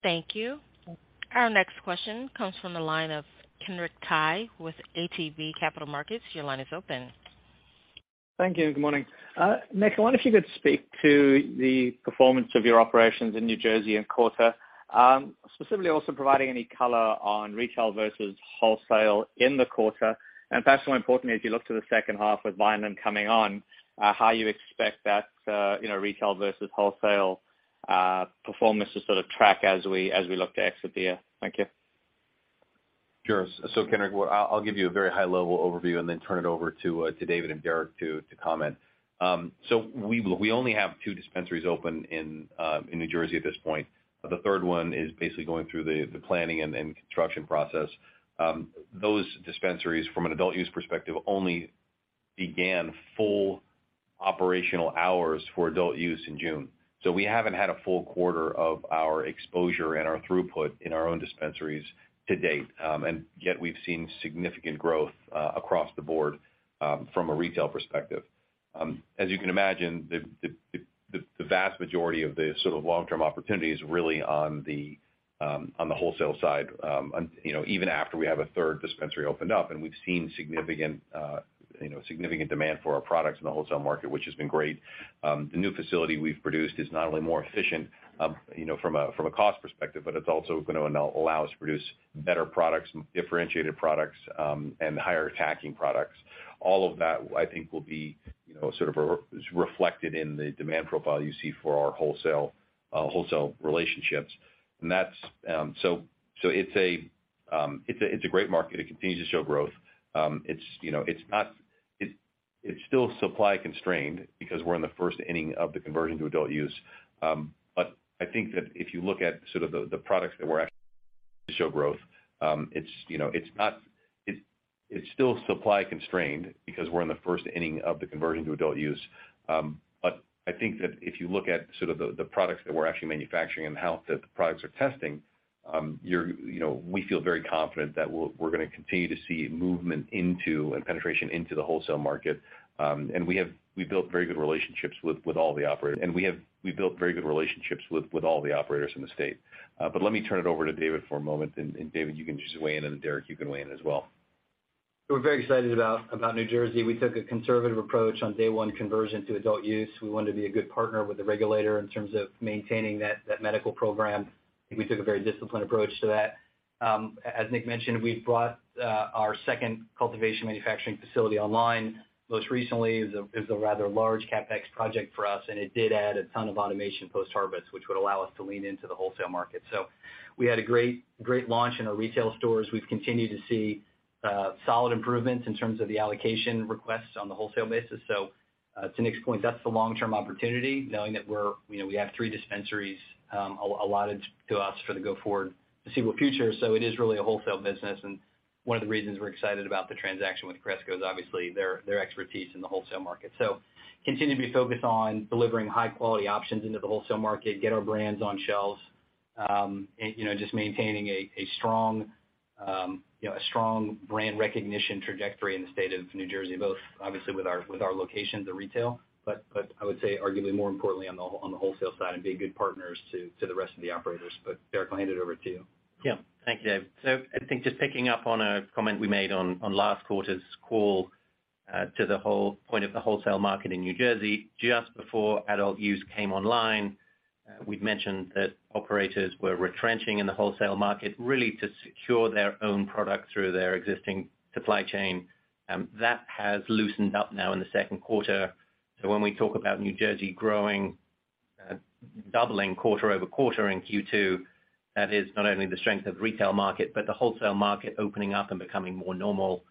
Thank you. Our next question comes from the line of Kenric Tyghe with ATB Capital Markets. Your line is open. Thank you and good morning. Nick, I wonder if you could speak to the performance of your operations in New Jersey in the quarter, specifically also providing any color on retail versus wholesale in the quarter. Perhaps more importantly, as you look to the second half with Vineland coming on, how you expect that, you know, retail versus wholesale performance to sort of track as we look to exit the year. Thank you. Sure. Kenric, what I'll give you a very high level overview and then turn it over to David and Derek to comment. We only have two dispensaries open in New Jersey at this point. The third one is basically going through the planning and construction process. Those dispensaries from an adult use perspective only began full operational hours for adult use in June. We haven't had a full quarter of our exposure and our throughput in our own dispensaries to date. Yet we've seen significant growth across the board from a retail perspective. As you can imagine, the vast majority of the sort of long-term opportunity is really on the wholesale side. You know, even after we have a third dispensary opened up, and we've seen significant, you know, demand for our products in the wholesale market, which has been great. The new facility we've produced is not only more efficient, you know, from a cost perspective, but it's also gonna now allow us to produce better products, differentiated products, and higher THC products. All of that I think will be, you know, sort of reflected in the demand profile you see for our wholesale relationships. That's, so it's a great market. It continues to show growth. It's, you know, still supply constrained because we're in the first inning of the conversion to adult use. I think that if you look at sort of the products that we're actually to show growth, you know, it's still supply constrained because we're in the first inning of the conversion to adult use. I think that if you look at sort of the products that we're actually manufacturing and how the products are testing, you know, we feel very confident that we're gonna continue to see movement into and penetration into the wholesale market. We have built very good relationships with all the operators in the state. Let me turn it over to David for a moment. David, you can just weigh in, and Derek, you can weigh in as well. We're very excited about New Jersey. We took a conservative approach on day one conversion to adult use. We wanted to be a good partner with the regulator in terms of maintaining that medical program. I think we took a very disciplined approach to that. As Nick mentioned, we've brought our second cultivation manufacturing facility online most recently. It was a rather large CapEx project for us, and it did add a ton of automation post-harvest, which would allow us to lean into the wholesale market. We had a great launch in our retail stores. We've continued to see solid improvements in terms of the allocation requests on the wholesale basis. To Nick's point, that's the long-term opportunity, knowing that we're, you know, we have three dispensaries allotted to us for the go forward foreseeable future. It is really a wholesale business, and one of the reasons we're excited about the transaction with Cresco is obviously their expertise in the wholesale market. Continue to be focused on delivering high-quality options into the wholesale market, get our brands on shelves, and, you know, just maintaining a strong brand recognition trajectory in the state of New Jersey, both obviously with our locations and retail. But I would say arguably more importantly on the wholesale side and being good partners to the rest of the operators. Derek, I'll hand it over to you. Yeah. Thank you, Dave. I think just picking up on a comment we made on last quarter's call, to the whole point of the wholesale market in New Jersey, just before adult use came online, we'd mentioned that operators were retrenching in the wholesale market really to secure their own product through their existing supply chain. That has loosened up now in the second quarter. When we talk about New Jersey growing, doubling quarter-over-quarter in Q2, that is not only the strength of retail market, but the wholesale market opening up and becoming more normal.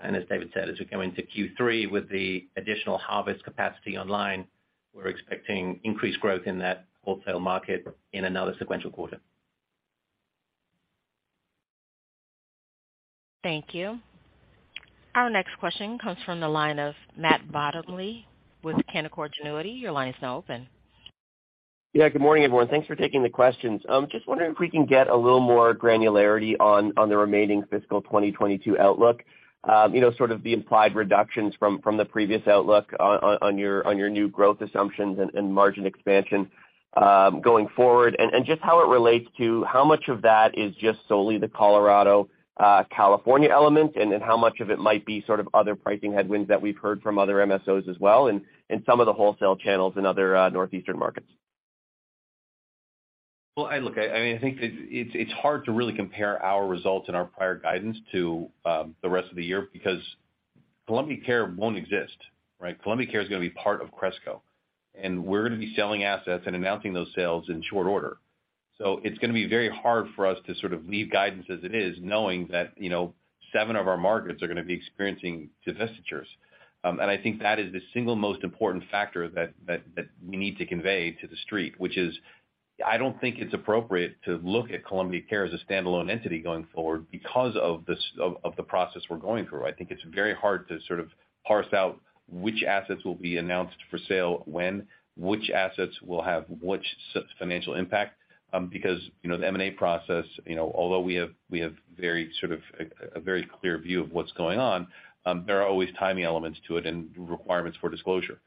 As David said, as we go into Q3 with the additional harvest capacity online, we're expecting increased growth in that wholesale market in another sequential quarter. Thank you. Our next question comes from the line of Matt Bottomley with Canaccord Genuity. Your line is now open. Yeah, good morning, everyone. Thanks for taking the questions. Just wondering if we can get a little more granularity on the remaining fiscal 2022 outlook. You know, sort of the implied reductions from the previous outlook on your new growth assumptions and margin expansion going forward, and just how it relates to how much of that is just solely the Colorado, California element, and how much of it might be sort of other pricing headwinds that we've heard from other MSOs as well, and some of the wholesale channels in other Northeastern markets. Well, I mean, I think it's hard to really compare our results and our prior guidance to the rest of the year because Columbia Care won't exist, right? Columbia Care is gonna be part of Cresco, and we're gonna be selling assets and announcing those sales in short order. It's gonna be very hard for us to sort of leave guidance as it is, knowing that, you know, seven of our markets are gonna be experiencing divestitures. I think that is the single most important factor that we need to convey to the Street, which is I don't think it's appropriate to look at Columbia Care as a standalone entity going forward because of the process we're going through. I think it's very hard to sort of parse out which assets will be announced for sale when, which assets will have which financial impact, because, you know, the M&A process, you know, although we have very sort of a very clear view of what's going on, there are always timing elements to it and requirements for disclosure.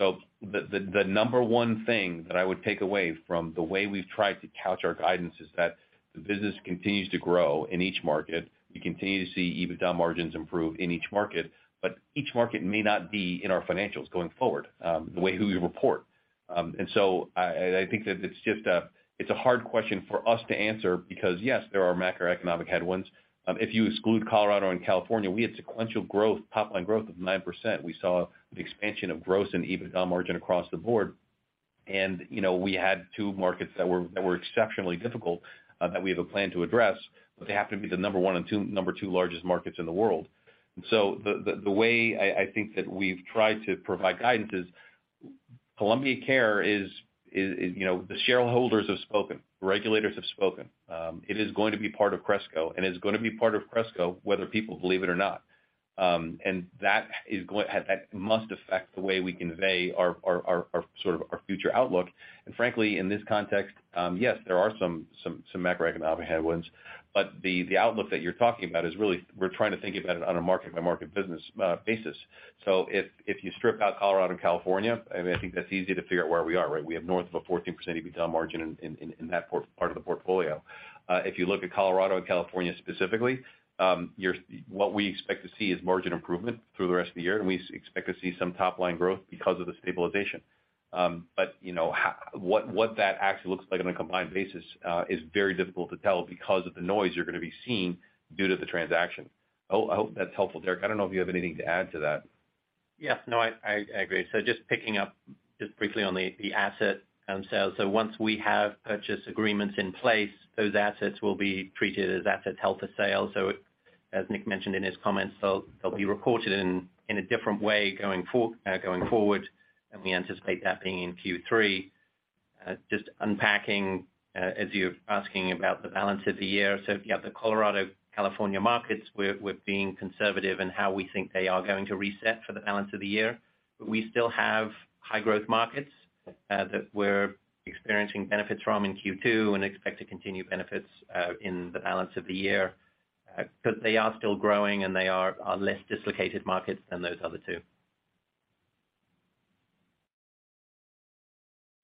The number one thing that I would take away from the way we've tried to couch our guidance is that the business continues to grow in each market. We continue to see EBITDA margins improve in each market, but each market may not be in our financials going forward, the way we report. I think that it's just a hard question for us to answer because, yes, there are macroeconomic headwinds. If you exclude Colorado and California, we had sequential growth, top line growth of 9%. We saw an expansion of gross and EBITDA margin across the board. You know, we had two markets that were exceptionally difficult that we have a plan to address, but they happen to be the number one and number two largest markets in the world. The way I think that we've tried to provide guidance is Columbia Care is, you know, the shareholders have spoken, regulators have spoken. It is going to be part of Cresco, and it's gonna be part of Cresco whether people believe it or not. That must affect the way we convey our future outlook. Frankly, in this context, yes, there are some macroeconomic headwinds, but the outlook that you're talking about is really we're trying to think about it on a market-by-market business basis. If you strip out Colorado and California, I mean, I think that's easy to figure out where we are, right? We have north of 14% EBITDA margin in that part of the portfolio. If you look at Colorado and California specifically, what we expect to see is margin improvement through the rest of the year, and we expect to see some top line growth because of the stabilization. You know, what that actually looks like on a combined basis is very difficult to tell because of the noise you're gonna be seeing due to the transaction. I hope that's helpful. Derek, I don't know if you have anything to add to that. Yes. No, I agree. Just picking up just briefly on the asset and sales. Once we have purchase agreements in place, those assets will be treated as assets held for sale. As Nick mentioned in his comments, they'll be reported in a different way going forward, and we anticipate that being in Q3. Just unpacking as you're asking about the balance of the year. Yeah, the Colorado, California markets, we're being conservative in how we think they are going to reset for the balance of the year. We still have high growth markets that we're experiencing benefits from in Q2 and expect to continue benefits in the balance of the year. They are still growing, and they are less dislocated markets than those other two.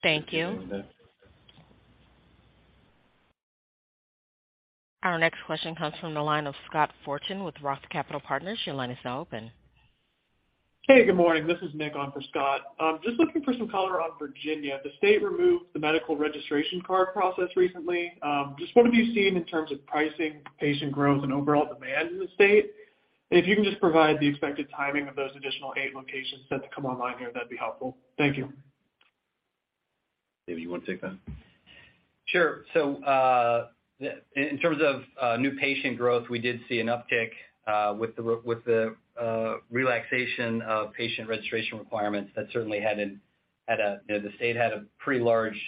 Thank you. Our next question comes from the line of Scott Fortune with Roth Capital Partners. Your line is now open. Hey, good morning. This is Nick on for Scott. Just looking for some color on Virginia. The state removed the medical registration card process recently. Just what have you seen in terms of pricing, patient growth, and overall demand in the state? If you can just provide the expected timing of those additional 8 locations set to come online here, that'd be helpful. Thank you. David, you wanna take that? Sure. So, in terms of new patient growth, we did see an uptick with the relaxation of patient registration requirements. That certainly had a, you know, the state had a pretty large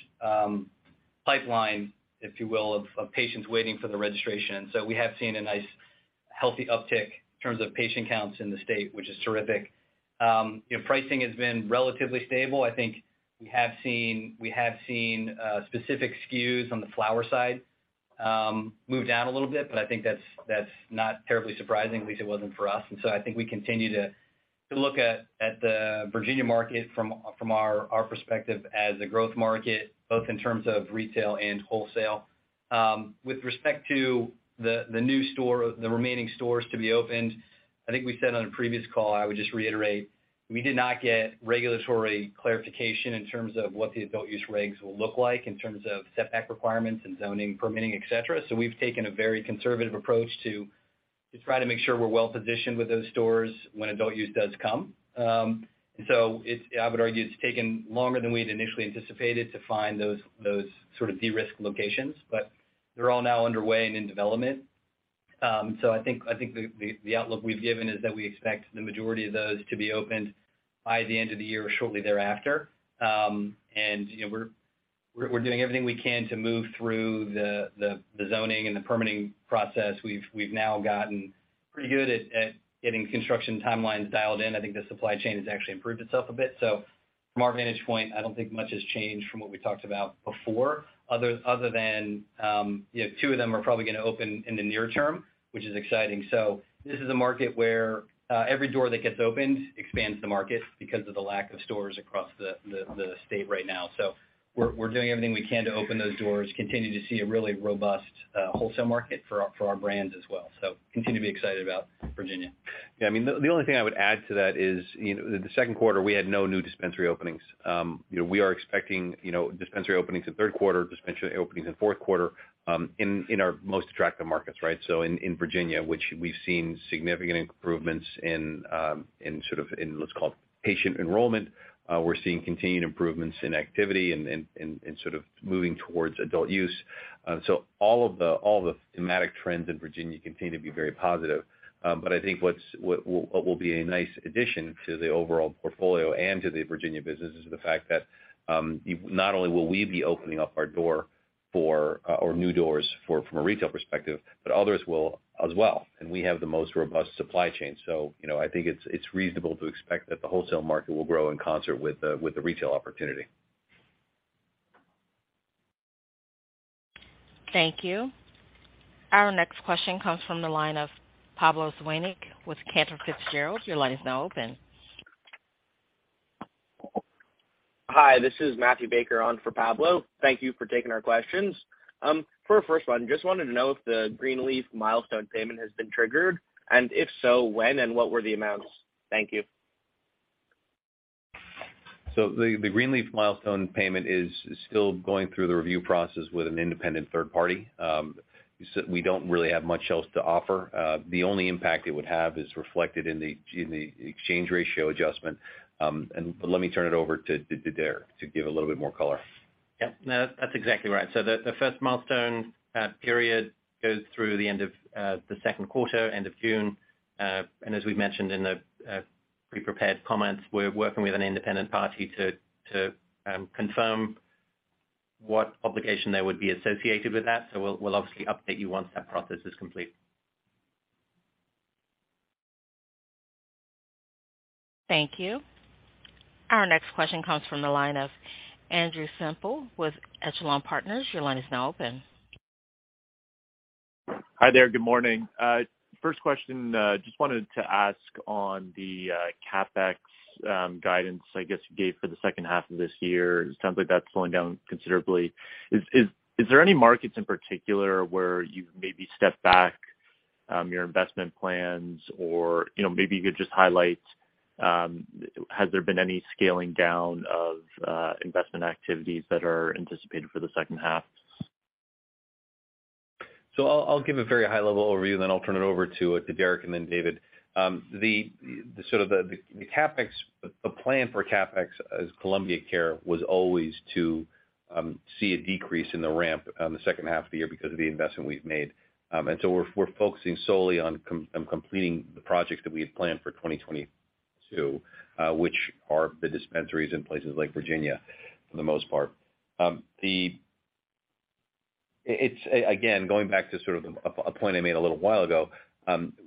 pipeline, if you will, of patients waiting for the registration. We have seen a nice healthy uptick in terms of patient counts in the state, which is terrific. You know, pricing has been relatively stable. I think we have seen specific SKUs on the flower side move down a little bit, but I think that's not terribly surprising, at least it wasn't for us. I think we continue to look at the Virginia market from our perspective as a growth market, both in terms of retail and wholesale. With respect to the new store, the remaining stores to be opened, I think we said on a previous call. I would just reiterate, we did not get regulatory clarification in terms of what the adult use regs will look like in terms of setback requirements and zoning, permitting, et cetera. We've taken a very conservative approach to try to make sure we're well-positioned with those stores when adult use does come. It's, I would argue, taken longer than we'd initially anticipated to find those sort of de-risk locations. They're all now underway and in development. I think the outlook we've given is that we expect the majority of those to be opened by the end of the year or shortly thereafter. You know, we're doing everything we can to move through the zoning and the permitting process. We've now gotten pretty good at getting construction timelines dialed in. I think the supply chain has actually improved itself a bit. From our vantage point, I don't think much has changed from what we talked about before other than you know, two of them are probably gonna open in the near term, which is exciting. This is a market where every door that gets opened expands the market because of the lack of stores across the state right now. We're doing everything we can to open those doors, continue to see a really robust wholesale market for our brands as well. Continue to be excited about Virginia. Yeah, I mean, the only thing I would add to that is, you know, the second quarter we had no new dispensary openings. You know, we are expecting, you know, dispensary openings in third quarter, dispensary openings in fourth quarter, in our most attractive markets, right? In Virginia, which we've seen significant improvements in sort of what's called patient enrollment, we're seeing continued improvements in activity and sort of moving towards adult use. All the thematic trends in Virginia continue to be very positive. I think what will be a nice addition to the overall portfolio and to the Virginia business is the fact that, not only will we be opening up our door, or new doors from a retail perspective, but others will as well. We have the most robust supply chain. You know, I think it's reasonable to expect that the wholesale market will grow in concert with the retail opportunity. Thank you. Our next question comes from the line of Pablo Zuanic with Cantor Fitzgerald. Your line is now open. Hi, this is Matthew Baker on for Pablo. Thank you for taking our questions. For our first one, just wanted to know if the Green Leaf milestone payment has been triggered, and if so, when and what were the amounts? Thank you. The Green Leaf milestone payment is still going through the review process with an independent third party. We don't really have much else to offer. The only impact it would have is reflected in the exchange ratio adjustment. Let me turn it over to Derek to give a little bit more color. Yeah. No, that's exactly right. The first milestone period goes through the end of the second quarter, end of June. As we've mentioned in the pre-prepared comments, we're working with an independent party to confirm what obligation there would be associated with that. We'll obviously update you once that process is complete. Thank you. Our next question comes from the line of Andrew Semple with Echelon Partners. Your line is now open. Hi there. Good morning. First question, just wanted to ask on the CapEx guidance, I guess, you gave for the second half of this year. It sounds like that's slowing down considerably. Is there any markets in particular where you've maybe stepped back your investment plans or, you know, maybe you could just highlight, has there been any scaling down of investment activities that are anticipated for the second half? I'll give a very high-level overview, then I'll turn it over to Derek and then David. The CapEx plan for CapEx as Columbia Care was always to see a decrease in the ramp on the second half of the year because of the investment we've made. We're focusing solely on completing the projects that we had planned for 2022, which are the dispensaries in places like Virginia, for the most part. It's again going back to sort of a point I made a little while ago.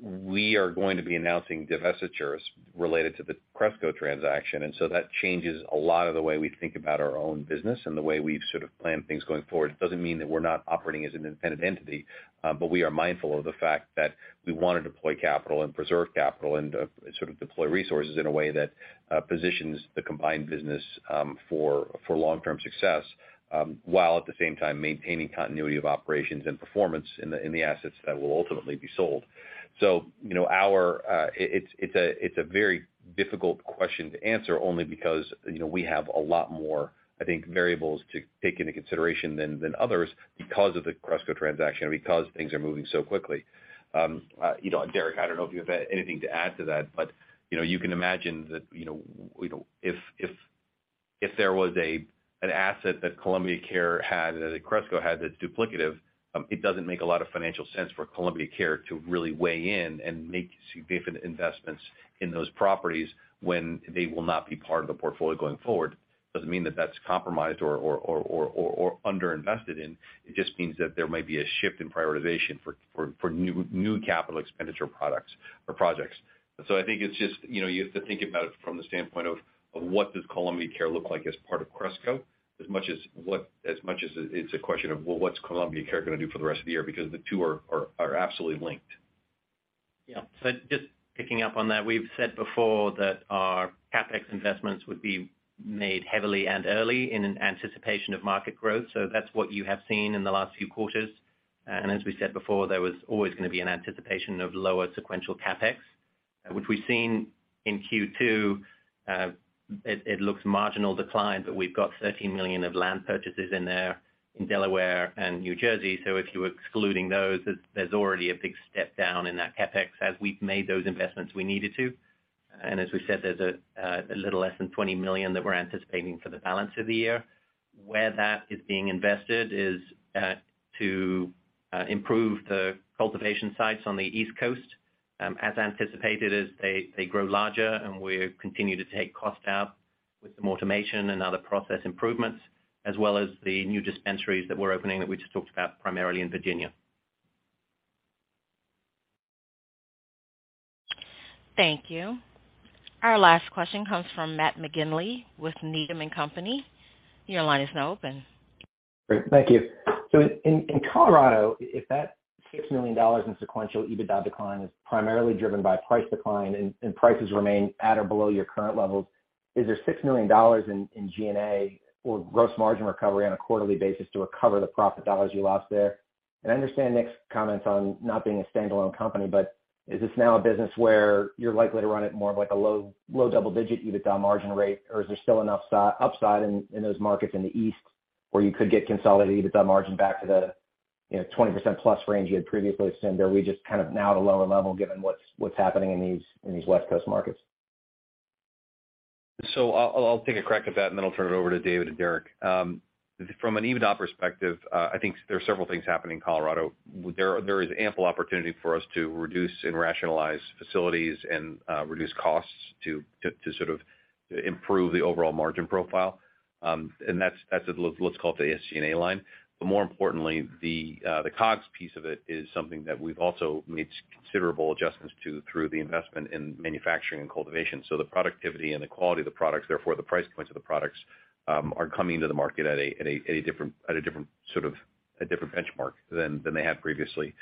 We are going to be announcing divestitures related to the Cresco transaction, and so that changes a lot of the way we think about our own business and the way we've sort of planned things going forward. It doesn't mean that we're not operating as an independent entity, but we are mindful of the fact that we want to deploy capital and preserve capital and sort of deploy resources in a way that positions the combined business for long-term success while at the same time maintaining continuity of operations and performance in the assets that will ultimately be sold. You know, it's a very difficult question to answer only because you know we have a lot more, I think, variables to take into consideration than others because of the Cresco transaction and because things are moving so quickly. You know, Derek, I don't know if you have anything to add to that, but you know, you can imagine that you know, if there was an asset that Columbia Care had that Cresco had that's duplicative, it doesn't make a lot of financial sense for Columbia Care to really weigh in and make significant investments in those properties when they will not be part of the portfolio going forward. Doesn't mean that that's compromised or underinvested in. It just means that there might be a shift in prioritization for new capital expenditure products or projects. I think it's just, you know, you have to think about it from the standpoint of what does Columbia Care look like as part of Cresco, as much as it's a question of, well, what's Columbia Care gonna do for the rest of the year? Because the two are absolutely linked. Yeah. Just picking up on that, we've said before that our CapEx investments would be made heavily and early in anticipation of market growth. That's what you have seen in the last few quarters. As we said before, there was always gonna be an anticipation of lower sequential CapEx, which we've seen in Q2. It looks like a marginal decline, but we've got $13 million of land purchases in there in Delaware and New Jersey. If you're excluding those, there's already a big step down in that CapEx as we've made those investments we needed to. As we said, there's a little less than $20 million that we're anticipating for the balance of the year. Where that is being invested is to improve the cultivation sites on the East Coast, as anticipated as they grow larger and we continue to take cost out with some automation and other process improvements, as well as the new dispensaries that we're opening that we just talked about primarily in Virginia. Thank you. Our last question comes from Matt McGinley with Needham & Company. Your line is now open. Great. Thank you. In Colorado, if that $6 million in sequential EBITDA decline is primarily driven by price decline and prices remain at or below your current levels, is there $6 million in SG&A or gross margin recovery on a quarterly basis to recover the profit dollars you lost there? I understand Nick's comments on not being a standalone company, but is this now a business where you're likely to run it more of like a low, low double-digit EBITDA margin rate, or is there still enough significant upside in those markets in the East where you could get consolidated EBITDA margin back to the, you know, 20%+ range you had previously? Are we just kind of now at a lower level given what's happening in these West Coast markets? I'll take a crack at that, and then I'll turn it over to David and Derek. From an EBITDA perspective, I think there are several things happening in Colorado. There is ample opportunity for us to reduce and rationalize facilities and reduce costs to sort of improve the overall margin profile. That's what's called the SG&A line. But more importantly, the COGS piece of it is something that we've also made considerable adjustments to through the investment in manufacturing and cultivation. The productivity and the quality of the products, therefore the price points of the products, are coming to the market at a different sort of benchmark than they had previously.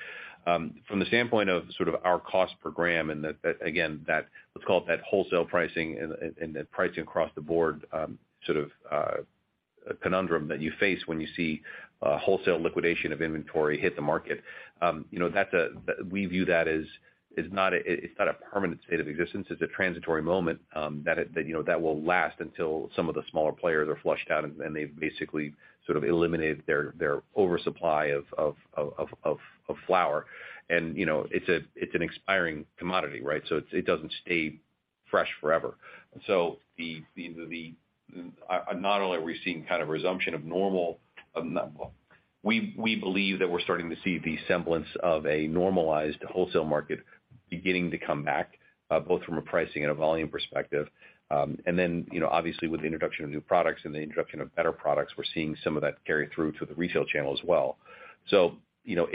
From the standpoint of sort of our cost per gram and then, again, what's called the wholesale pricing and the pricing across the board, you know, sort of conundrum that you face when you see wholesale liquidation of inventory hit the market, you know, we view that as not a permanent state of existence. It's a transitory moment that you know that will last until some of the smaller players are flushed out and they've basically sort of eliminated their oversupply of flower. You know, it's an expiring commodity, right? It doesn't stay fresh forever. Not only are we seeing kind of resumption of normal. We believe that we're starting to see the semblance of a normalized wholesale market beginning to come back, both from a pricing and a volume perspective. You know, obviously with the introduction of new products and the introduction of better products, we're seeing some of that carry through to the retail channel as well. You know,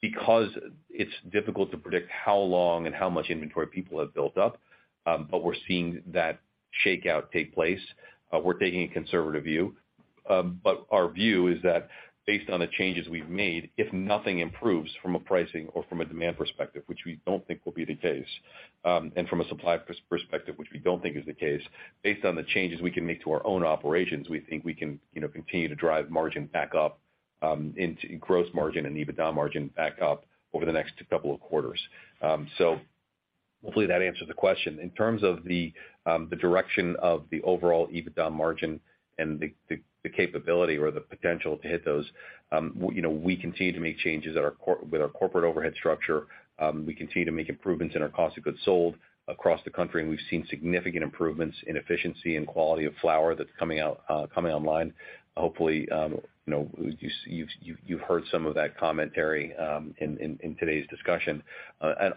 because it's difficult to predict how long and how much inventory people have built up, but we're seeing that shakeout take place. We're taking a conservative view. Our view is that based on the changes we've made, if nothing improves from a pricing or from a demand perspective, which we don't think will be the case, and from a supply perspective, which we don't think is the case, based on the changes we can make to our own operations, we think we can, you know, continue to drive margin back up into gross margin and EBITDA margin back up over the next couple of quarters. Hopefully that answers the question. In terms of the direction of the overall EBITDA margin and the capability or the potential to hit those, you know, we continue to make changes with our corporate overhead structure. We continue to make improvements in our cost of goods sold across the country, and we've seen significant improvements in efficiency and quality of flower that's coming out, coming online. Hopefully, you know, you've heard some of that commentary in today's discussion.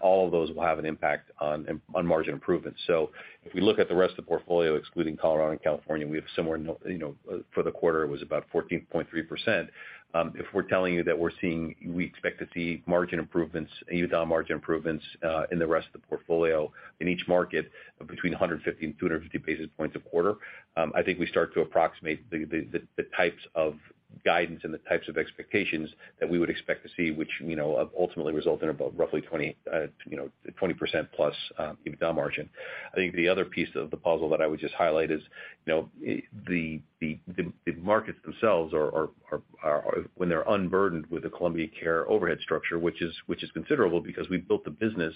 All of those will have an impact on margin improvements. If we look at the rest of the portfolio, excluding Colorado and California, we have similar, you know, for the quarter was about 14.3%. If we're telling you that we're seeing, we expect to see margin improvements, EBITDA margin improvements, in the rest of the portfolio in each market between 150 and 250 basis points a quarter, I think we start to approximate the types of guidance and the types of expectations that we would expect to see, which, you know, ultimately result in about roughly 20% plus EBITDA margin. I think the other piece of the puzzle that I would just highlight is, you know, the markets themselves are, when they're unburdened with the Columbia Care overhead structure, which is considerable because we've built the business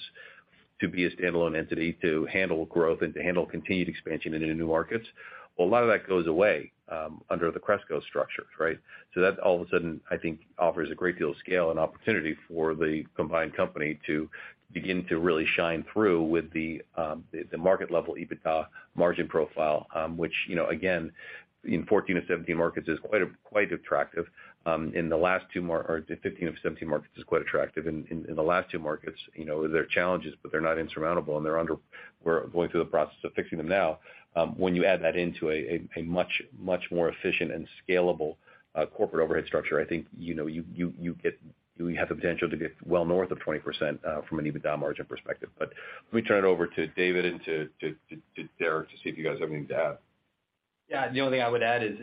to be a standalone entity to handle growth and to handle continued expansion into new markets. Well, a lot of that goes away under the Cresco structures, right? That all of a sudden offers a great deal of scale and opportunity for the combined company to begin to really shine through with the market level EBITDA margin profile, which, you know, again, in 14 to 17 markets is quite attractive. In the last two or 15 of 17 markets is quite attractive. In the last two markets, you know, there are challenges, but they're not insurmountable, and we're going through the process of fixing them now. When you add that into a much more efficient and scalable corporate overhead structure, I think, you know, you get, you have the potential to get well north of 20% from an EBITDA margin perspective. Let me turn it over to David and to Derek to see if you guys have anything to add. Yeah. The only thing I would add is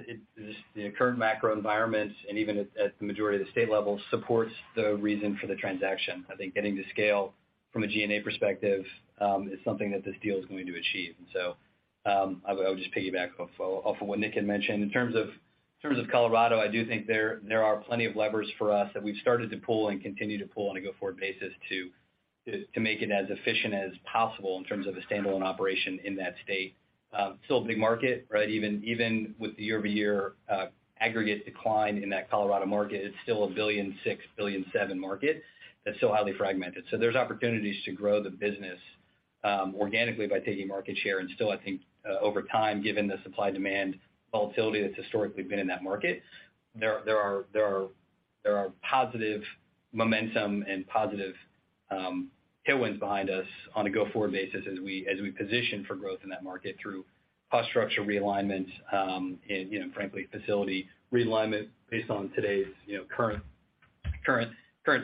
the current macro environment and even at the majority of the state level supports the reason for the transaction. I think getting to scale from a G&A perspective is something that this deal is going to achieve. I would just piggyback off of what Nick had mentioned. In terms of Colorado, I do think there are plenty of levers for us that we've started to pull and continue to pull on a go-forward basis to make it as efficient as possible in terms of a standalone operation in that state. Still a big market, right? Even with the year-over-year aggregate decline in that Colorado market, it's still a $1.6 billion to $1.7 billion market that's still highly fragmented. There's opportunities to grow the business organically by taking market share. Still, I think, over time, given the supply and demand volatility that's historically been in that market, there are positive momentum and positive tailwinds behind us on a go-forward basis as we position for growth in that market through cost structure realignment, and, you know, frankly, facility realignment based on today's current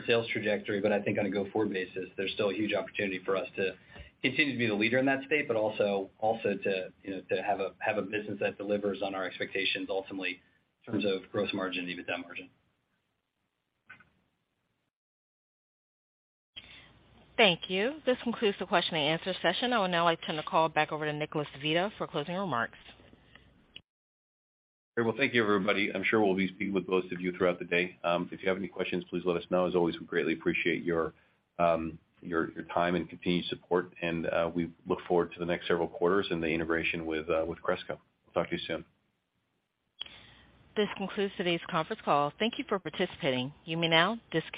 sales trajectory. I think on a go-forward basis, there's still a huge opportunity for us to continue to be the leader in that state, but also to have a business that delivers on our expectations ultimately in terms of gross margin and EBITDA margin. Thank you. This concludes the question and answer session. I would now like to turn the call back over to Nicholas Vita for closing remarks. Well, thank you, everybody. I'm sure we'll be speaking with most of you throughout the day. If you have any questions, please let us know. As always, we greatly appreciate your time and continued support, and we look forward to the next several quarters and the integration with Cresco. Talk to you soon. This concludes today's conference call. Thank you for participating. You may now disconnect.